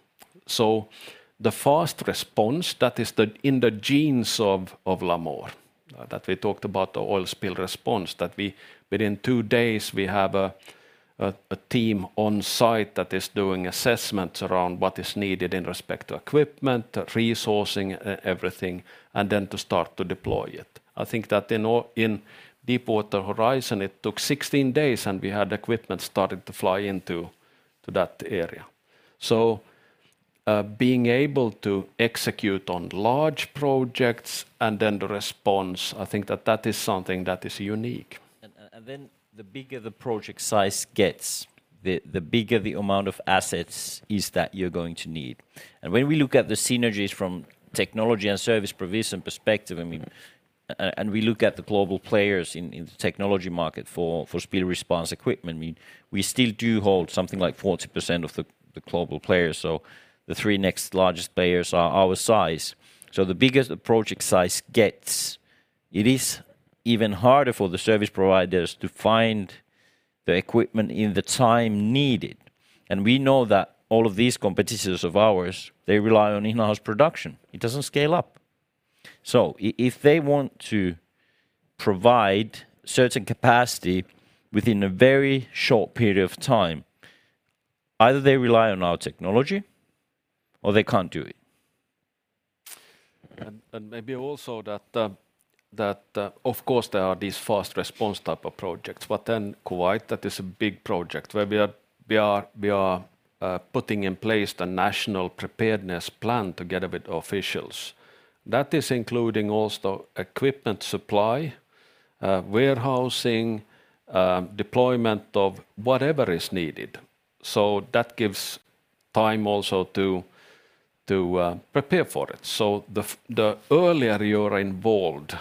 The fast response, that is in the genes of Lamor, that we talked about the oil spill response, that we, within two days we have a team on site that is doing assessments around what is needed in respect to equipment, resourcing, everything, and then to start to deploy it. I think that in Deepwater Horizon, it took 16 days, and we had equipment started to fly into that area. Being able to execute on large projects and then the response, I think that that is something that is unique. Then the bigger the project size gets, the bigger the amount of assets is that you're going to need. When we look at the synergies from technology and service provision perspective, I mean, and we look at the global players in the technology market for spill response equipment, I mean, we still do hold something like 40% of the global players. The three next largest players are our size. The bigger the project size gets, it is even harder for the service providers to find the equipment in the time needed. We know that all of these competitors of ours, they rely on in-house production. It doesn't scale up. If they want to provide certain capacity within a very short period of time, either they rely on our technology, or they can't do it. Maybe also that, of course, there are these fast response type of projects. Kuwait, that is a big project where we are putting in place the national preparedness plan together with officials. That is including also equipment supply, warehousing, deployment of whatever is needed. That gives time also to prepare for it. The earlier you're involved,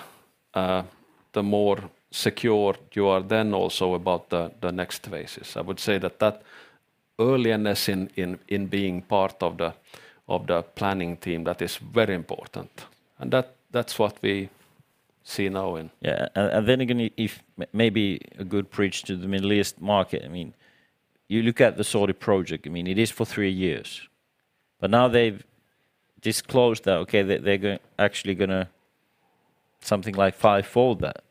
the more secure you are then also about the next phases. I would say that that earlier-ness in being part of the planning team, that is very important, and that's what we see now in. Yeah. Then again, if maybe a good bridge to the Middle East market, I mean, you look at the Saudi project, I mean, it is for three years, now they've disclosed that, okay, they're actually going to something like five-fold that.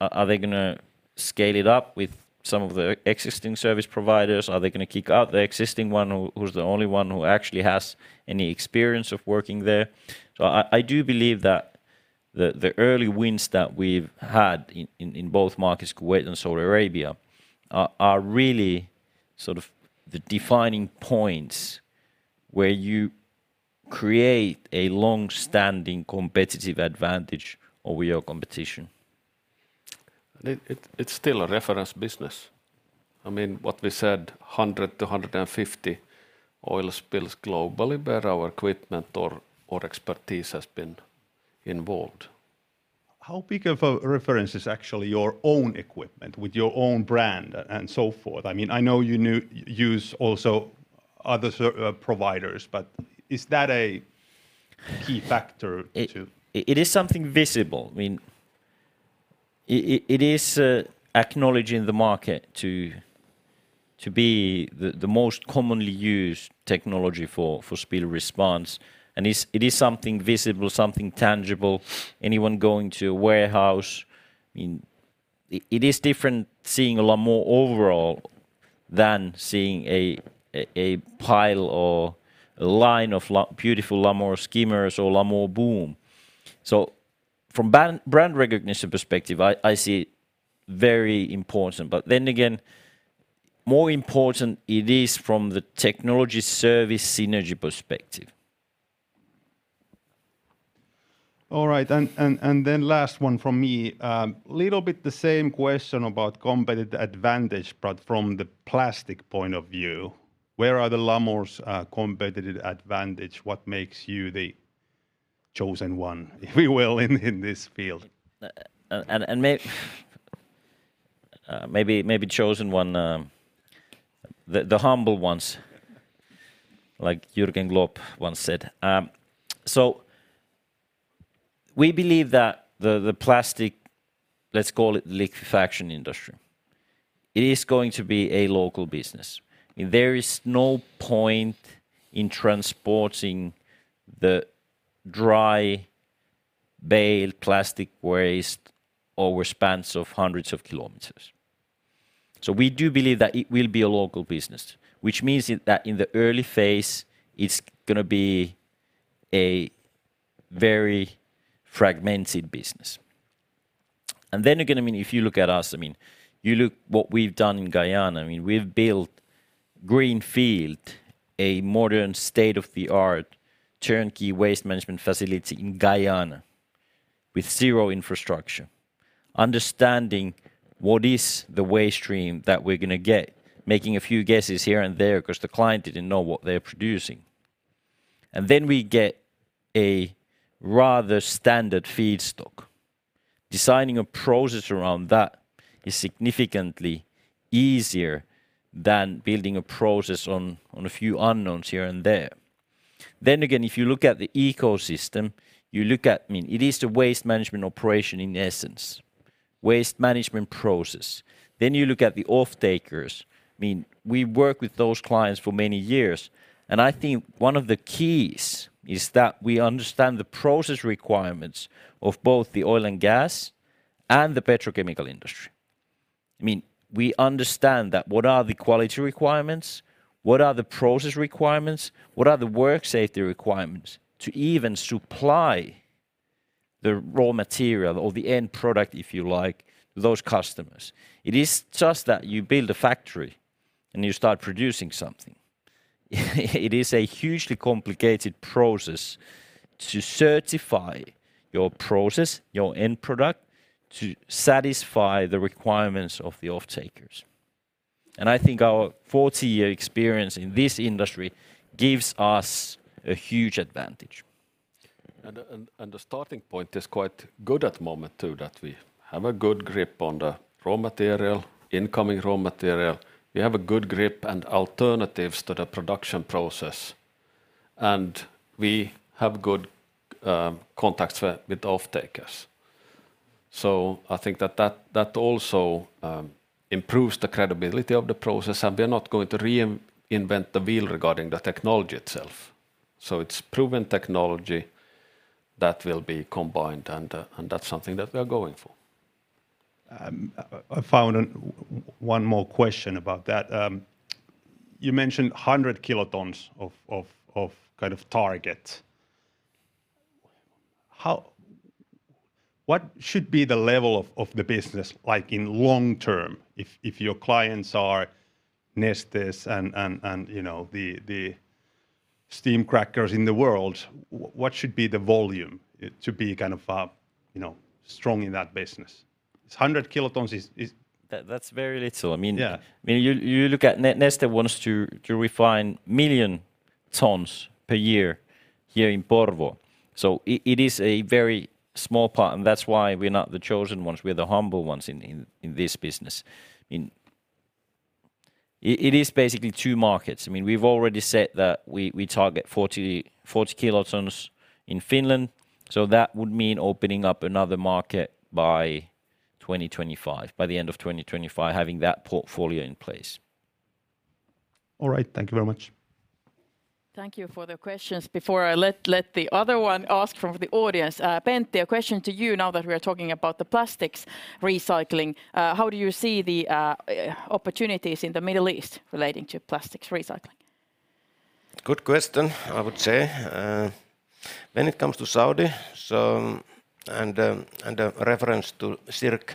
Are they going scale it up with some of the existing service providers? Are they going to kick out the existing one who's the only one who actually has any experience of working there? I do believe that the early wins that we've had in both markets, Kuwait and Saudi Arabia, are really sort of the defining points where you create a long-standing competitive advantage over your competition. It's still a reference business. I mean, what we said, 100 to 150 oil spills globally where our equipment or expertise has been involved. How big of a reference is actually your own equipment with your own brand and so forth? I mean, I know you use also other providers, but is that a key factor? It is something visible. I mean, it is acknowledging the market to be the most commonly used technology for spill response, and it is something visible, something tangible. Anyone going to a warehouse, I mean, it is different seeing a Lamor overall than seeing a pile or a line of beautiful Lamor skimmers or Lamor boom. From brand recognition perspective, I see very important, but then again, more important it is from the technology service synergy perspective. All right. Last one from me. Little bit the same question about competitive advantage, but from the plastic point of view. Where are the Lamor's competitive advantage? What makes you the chosen one if you will, in this field? Chosen one, the humble ones... like Jürgen Klopp once said. We believe that the plastic, let's call it liquefaction industry, it is going to be a local business. I mean, there is no point in transporting the dry baled plastic waste over spans of hundreds of kilometers. We do believe that it will be a local business, which means that in the early phase, it's going to be a very fragmented business. Then again, I mean, if you look at us, I mean, you look what we've done in Guyana, I mean, we've built greenfield, a modern state-of-the-art turnkey waste management facility in Guyana with zero infrastructure, understanding what is the waste stream that we're going to get, making a few guesses here and there cause the client didn't know what they're producing, then we get a rather standard feedstock. Designing a process around that is significantly easier than building a process on a few unknowns here and there. Then again, if you look at the ecosystem, you look at. I mean, it is the waste management operation in essence, waste management process. You look at the off-takers, I mean, we work with those clients for many years, and I think one of the keys is that we understand the process requirements of both the oil and gas and the petrochemical industry. I mean, we understand that what are the quality requirements, what are the process requirements, what are the work safety requirements to even supply the raw material or the end product, if you like, to those customers. It is just that you build a factory, and you start producing something. It is a hugely complicated process to certify your process, your end product, to satisfy the requirements of the off-takers, and I think our 40-year experience in this industry gives us a huge advantage. The starting point is quite good at the moment too, that we have a good grip on the raw material, incoming raw material. We have a good grip and alternatives to the production process, and we have good contacts with off-takers. I think that also improves the credibility of the process, and we're not going to reinvent the wheel regarding the technology itself. It's proven technology that will be combined, and that's something that we are going for. I found one more question about that. You mentioned 100 kilotons. How, what should be the level of the business, like, in long term if your clients are Neste and, you know, the steam crackers in the world, what should be the volume it should be kind of, you know, strong in that business? It's 100 kilotons is. That's very little. I mean. Yeah I mean, you look at Neste wants to refine million tons per year here in Porvoo, so it is a very small part, and that's why we're not the chosen ones. We're the humble ones in this business. I mean, it is basically two markets. I mean, we've already said that we target 40 kilotons in Finland, so that would mean opening up another market by 2025, by the end of 2025, having that portfolio in place. All right. Thank Thank you very much. Thank you for the questions. Before I let the other one ask from the audience, Pentti, a question to you now that we are talking about the plastics recycling. How do you see the opportunities in the Middle East relating to plastics recycling? Good question, I would say. When it comes to Saudi, so, and a reference to SIRC,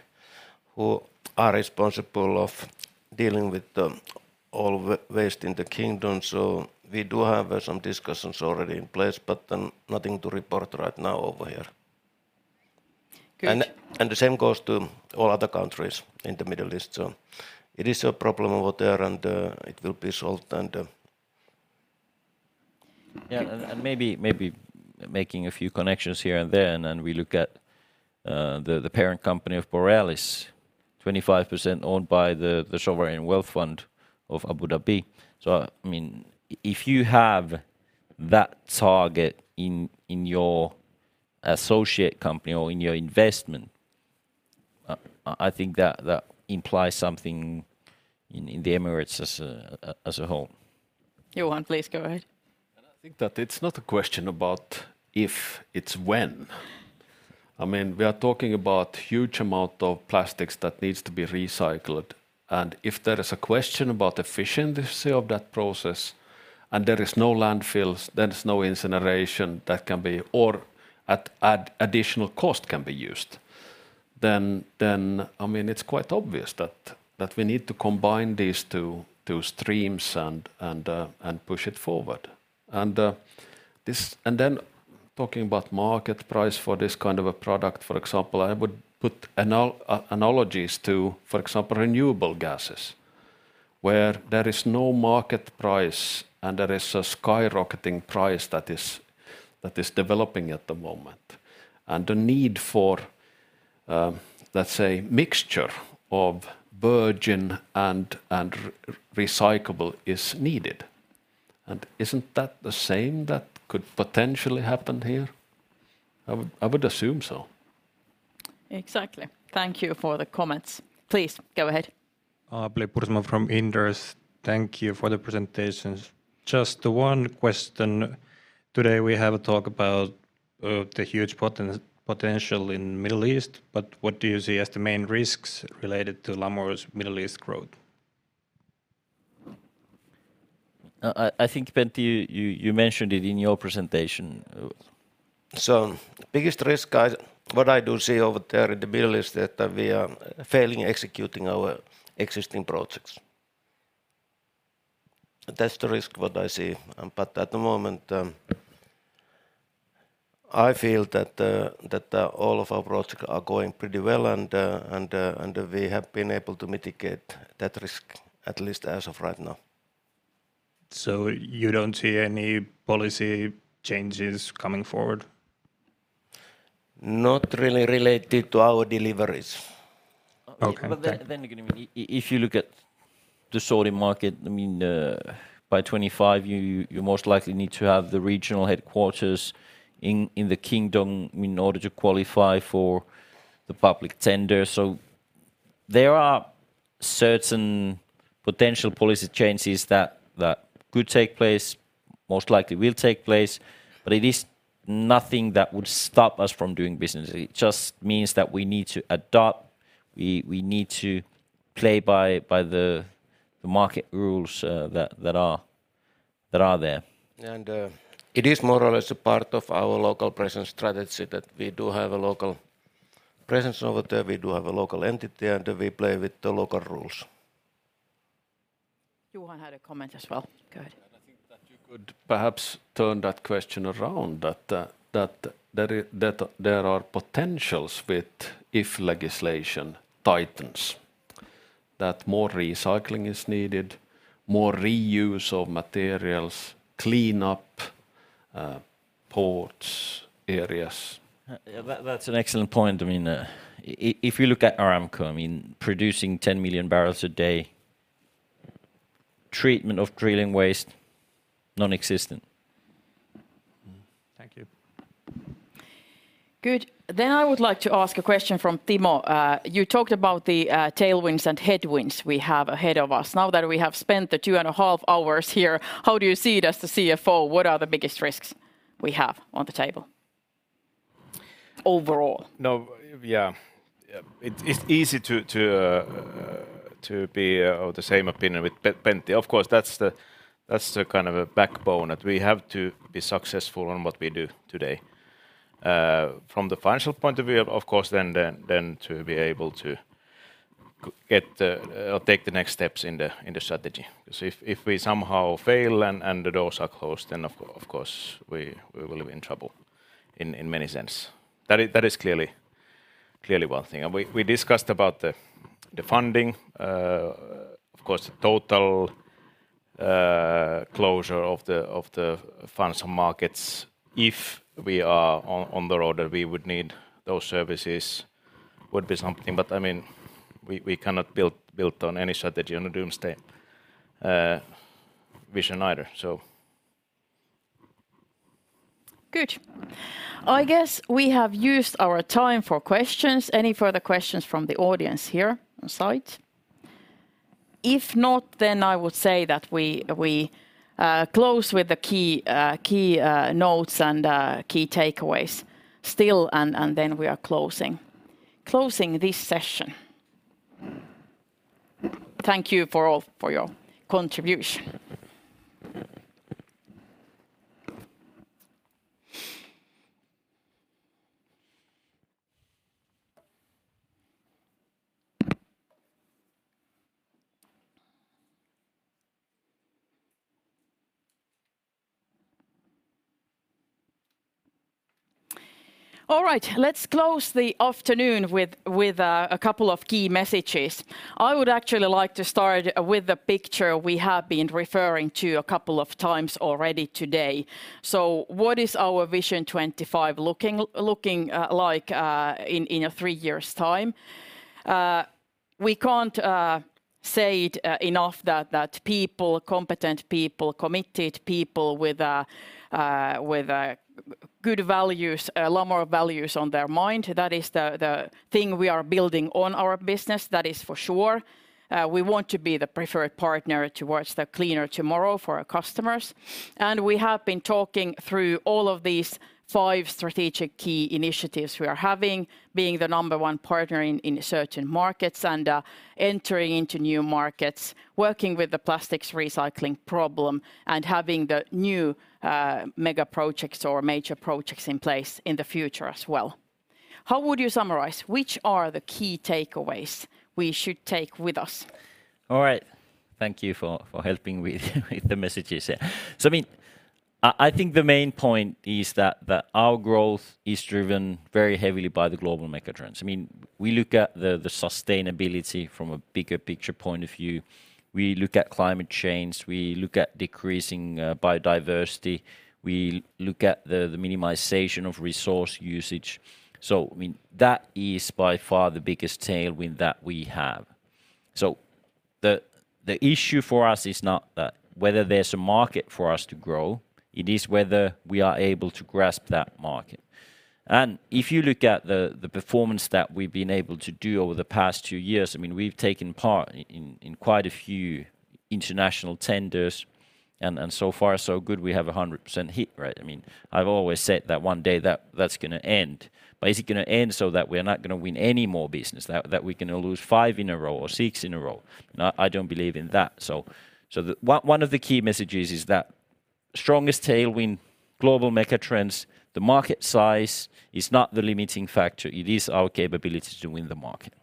who are responsible of dealing with the all waste in the Kingdom, so we do have some discussions already in place, but nothing to report right now over here. Good. The same goes to all other countries in the Middle East. It is a problem over there, and, it will be solved and... Yeah, making a few connections here and there. We look at the parent company of Borealis, 25% owned by the Sovereign Wealth Fund of Abu Dhabi. I mean, if you have that target in your associate company or in your investment, I think that implies something in the Emirates as a whole. Johan, please go ahead. I think that it's not a question about if, it's when. I mean, we are talking about huge amount of plastics that needs to be recycled. If there is a question about efficiency of that process, and there is no landfills, there is no incineration that can be, or at, additional cost can be used, then, I mean, it's quite obvious that we need to combine these two streams and push it forward. This... Talking about market price for this kind of a product, for example, I would put analogies to, for example, renewable gases, where there is no market price, and there is a skyrocketing price that is developing at the moment, and the need for, let's say, mixture of virgin and recyclable is needed, and isn't that the same that could potentially happen here? I would assume so. Exactly. Thank you for the comments. Please, go ahead. Abli Burman from Inderes Oyj. Thank you for the presentations. Just the one question, today we have a talk about the huge potential in Middle East, but what do you see as the main risks related to Lamor's Middle East growth? I think, Pentti, you mentioned it in your presentation. Biggest risk what I do see over there in the Middle East that we are failing executing our existing projects. That's the risk what I see, but at the moment, I feel that all of our projects are going pretty well and we have been able to mitigate that risk, at least as of right now. You don't see any policy changes coming forward? Not really related to our deliveries. Okay. Thank you. Again, I mean, if you look at the Saudi market, I mean, by 2025 you most likely need to have the regional headquarters in the kingdom in order to qualify for the public tender. There are certain potential policy changes that could take place, most likely will take place, but it is nothing that would stop us from doing business. It just means that we need to adapt. We need to play by the market rules that are there. It is more or less a part of our local presence strategy that we do have a local presence over there. We do have a local entity, and we play with the local rules. Johan had a comment as well. Go ahead. I think that you could perhaps turn that question around, that there are potentials with if legislation tightens, that more recycling is needed, more reuse of materials, clean up, ports, areas. Yeah, that's an excellent point. I mean, if you look at Aramco, I mean, producing 10 million barrels a day, treatment of drilling waste, nonexistent. Thank you. Good. I would like to ask a question from Timo. You talked about the tailwinds and headwinds we have ahead of us. Now that we have spent the two and a half hours here, how do you see it as the CFO? What are the biggest risks we have on the table overall? No, yeah. It's easy to be of the same opinion with Pentti. Of course, that's the kind of a backbone that we have to be successful in what we do today. From the financial point of view, of course, then to be able to get the or take the next steps in the strategy. If we somehow fail and the doors are closed, then of course, we will be in trouble in many sense. That is clearly one thing. We discussed about the funding. Of course, the total closure of the financial markets, if we are on the road that we would need those services would be something. I mean, we cannot build on any strategy on a doomsday vision either. Good. I guess we have used our time for questions. Any further questions from the audience here on site? If not, I would say that we close with the key notes and key takeaways still, and then we are closing this session. Thank you for all for your contribution. Let's close the afternoon with a couple of key messages. I would actually like to start with a picture we have been referring to a couple of times already today. What is our Vision 25 looking like in a three years' time? We can't say it enough that people, competent people, committed people with a good values, Lamor values on their mind, that is the thing we are building on our business. That is for sure. We want to be the preferred partner towards the cleaner tomorrow for our customers. We have been talking through all of these five strategic key initiatives we are having, being the number one partner in certain markets, entering into new markets, working with the plastics recycling problem, having the new, mega projects or major projects in place in the future as well. How would you summarize? Which are the key takeaways we should take with us? All right. Thank you for helping with the messages, yeah. I mean, I think the main point is that our growth is driven very heavily by the global megatrends. I mean, we look at the sustainability from a bigger picture point of view. We look at climate change, we look at decreasing biodiversity, we look at the minimization of resource usage. I mean, that is by far the biggest tailwind that we have. The issue for us is not whether there's a market for us to grow. It is whether we are able to grasp that market. If you look at the performance that we've been able to do over the past two years, I mean, we've taken part in quite a few international tenders, and so far, so good, we have 100% hit rate. I mean, I've always said that one day that's going to end. Is it going to end so that we're not going to win any more business, that we're going to lose five in a row or six in a row? Now, I don't believe in that. One of the key messages is that strongest tailwind, global mega trends, the market size is not the limiting factor. It is our capability to win the market.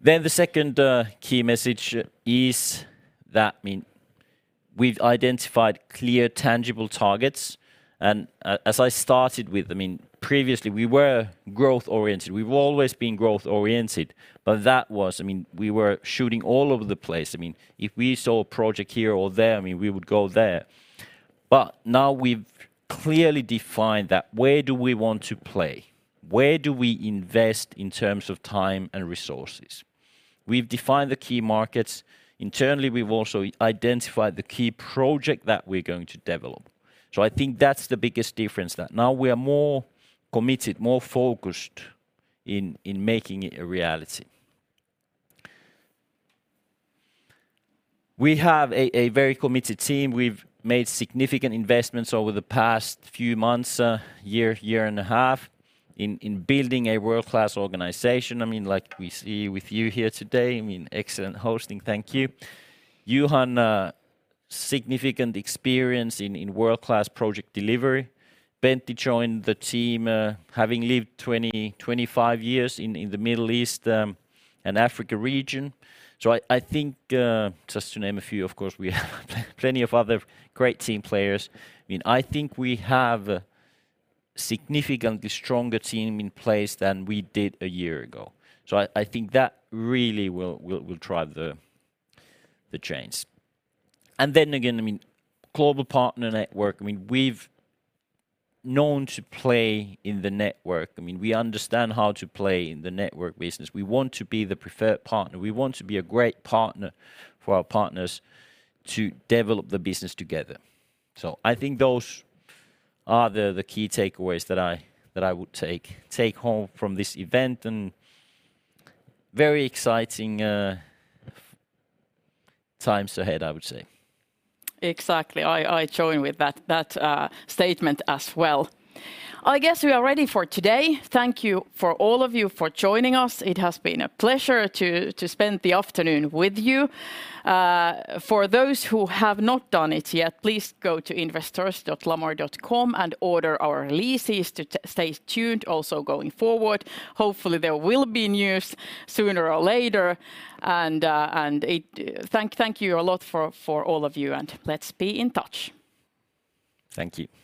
The second key message is that, I mean, we've identified clear tangible targets. As I started with, I mean, previously, we were growth-oriented. We've always been growth-oriented, but that was. I mean, we were shooting all over the place. I mean, if we saw a project here or there, I mean, we would go there. Now we've clearly defined that where do we want to play? Where do we invest in terms of time and resources? We've defined the key markets. Internally, we've also identified the key project that we're going to develop. I think that's the biggest difference, that now we are more committed, more focused in making it a reality. We have a very committed team. We've made significant investments over the past few months, year and a half, in building a world-class organization. I mean, like we see with you here today, I mean, excellent hosting. Thank you. Juhana, significant experience in world-class project delivery. Pentti joined the team, having lived 20 to 25 years in the Middle East and Africa region. I think, just to name a few, of course, we have plenty of other great team players. I mean, I think we have a significantly stronger team in place than we did a year ago. I think that really will drive the change. Then again, I mean, global partner network, I mean, we've known to play in the network. I mean, we understand how to play in the network business. We want to be the preferred partner. We want to be a great partner for our partners to develop the business together. I think those are the key takeaways that I would take home from this event, and very exciting times ahead, I would say. Exactly. I join with that statement as well. I guess we are ready for today. Thank you for all of you for joining us. It has been a pleasure to spend the afternoon with you. For those who have not done it yet, please go to investors.lamor.com and order our releases to stay tuned also going forward. Hopefully, there will be news sooner or later. Thank you a lot for all of you. Let's be in touch. Thank you.